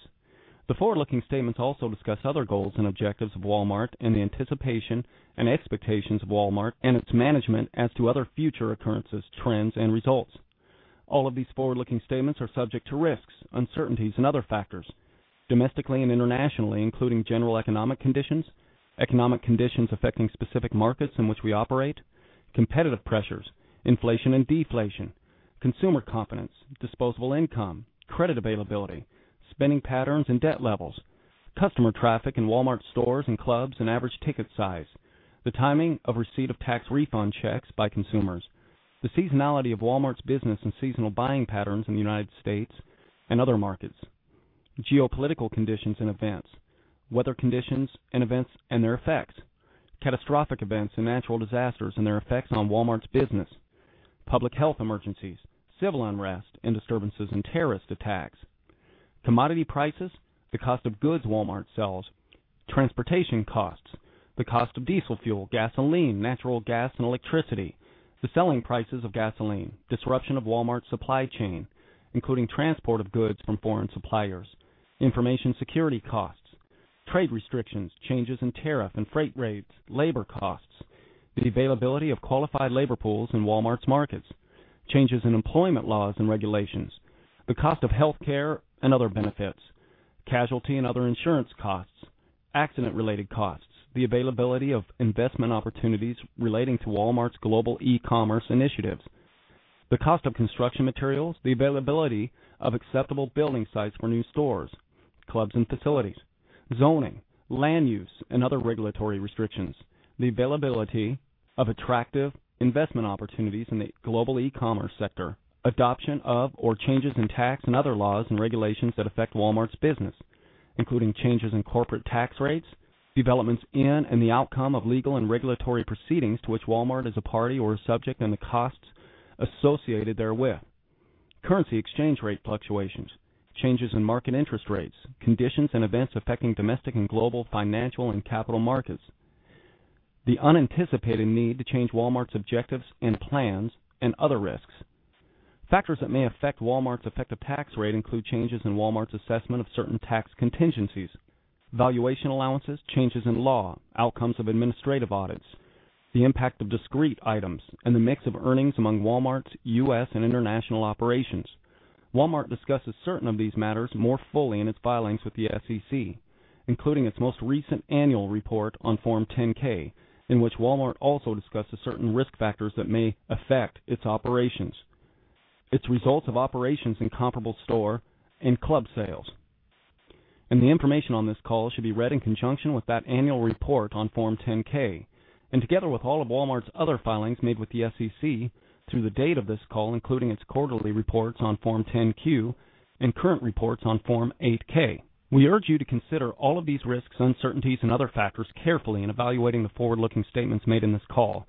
The forward-looking statements also discuss other goals and objectives of Walmart and the anticipation and expectations of Walmart and its management as to other future occurrences, trends, and results. All of these forward-looking statements are subject to risks, uncertainties and other factors domestically and internationally, including general economic conditions, economic conditions affecting specific markets in which we operate, competitive pressures, inflation and deflation, consumer confidence, disposable income, credit availability, spending patterns and debt levels, customer traffic in Walmart stores and clubs, and average ticket size, the timing of receipt of tax refund checks by consumers, the seasonality of Walmart's business and seasonal buying patterns in the U.S. and other markets, geopolitical conditions and events, weather conditions and events and their effects, catastrophic events and natural disasters and their effects on Walmart's business, public health emergencies, civil unrest and disturbances and terrorist attacks, commodity prices, the cost of goods Walmart sells, transportation costs, the cost of diesel fuel, gasoline, natural gas and electricity, the selling prices of gasoline, disruption of Walmart's supply chain, including transport of goods from foreign suppliers, information security costs, trade restrictions, changes in tariff and freight rates, labor costs, the availability of qualified labor pools in Walmart's markets, changes in employment laws and regulations, the cost of healthcare and other benefits, casualty and other insurance costs, accident-related costs, the availability of investment opportunities relating to Walmart's global e-commerce initiatives, the cost of construction materials, the availability of acceptable building sites for new stores, clubs and facilities, zoning, land use and other regulatory restrictions, the availability of attractive investment opportunities in the global e-commerce sector, adoption of or changes in tax and other laws and regulations that affect Walmart's business, including changes in corporate tax rates, developments in and the outcome of legal and regulatory proceedings to which Walmart is a party or a subject and the costs associated therewith, currency exchange rate fluctuations, changes in market interest rates, conditions and events affecting domestic and global financial and capital markets, the unanticipated need to change Walmart's objectives and plans, and other risks. Factors that may affect Walmart's effective tax rate include changes in Walmart's assessment of certain tax contingencies, valuation allowances, changes in law, outcomes of administrative audits, the impact of discrete items, and the mix of earnings among Walmart's, U.S., and international operations. Walmart discusses certain of these matters more fully in its filings with the SEC, including its most recent annual report on Form 10-K, in which Walmart also discusses certain risk factors that may affect its operations, its results of operations in comparable store and club sales. The information on this call should be read in conjunction with that annual report on Form 10-K and together with all of Walmart's other filings made with the SEC through the date of this call, including its quarterly reports on Form 10-Q and current reports on Form 8-K. We urge you to consider all of these risks, uncertainties, and other factors carefully in evaluating the forward-looking statements made in this call.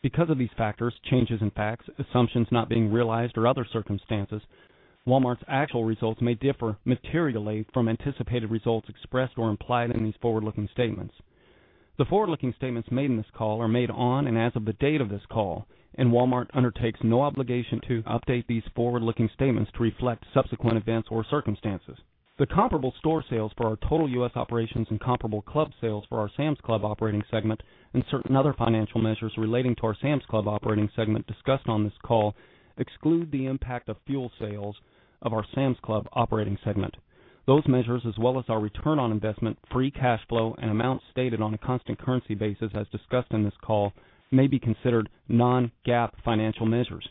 Because of these factors, changes in facts, assumptions not being realized, or other circumstances, Walmart's actual results may differ materially from anticipated results expressed or implied in these forward-looking statements. The forward-looking statements made in this call are made on and as of the date of this call, and Walmart undertakes no obligation to update these forward-looking statements to reflect subsequent events or circumstances. The comparable store sales for our total U.S. operations and comparable club sales for our Sam's Club operating segment and certain other financial measures relating to our Sam's Club operating segment discussed on this call exclude the impact of fuel sales of our Sam's Club operating segment. Those measures, as well as our return on investment, free cash flow, and amounts stated on a constant currency basis as discussed in this call, may be considered non-GAAP financial measures.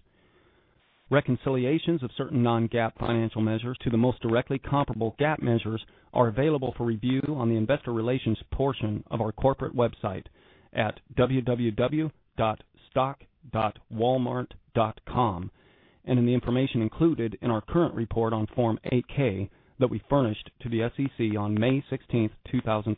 Reconciliations of certain non-GAAP financial measures to the most directly comparable GAAP measures are available for review on the investor relations portion of our corporate website at www.stock.walmart.com and in the information included in our current report on Form 8-K that we furnished to the SEC on May 16th, 2013.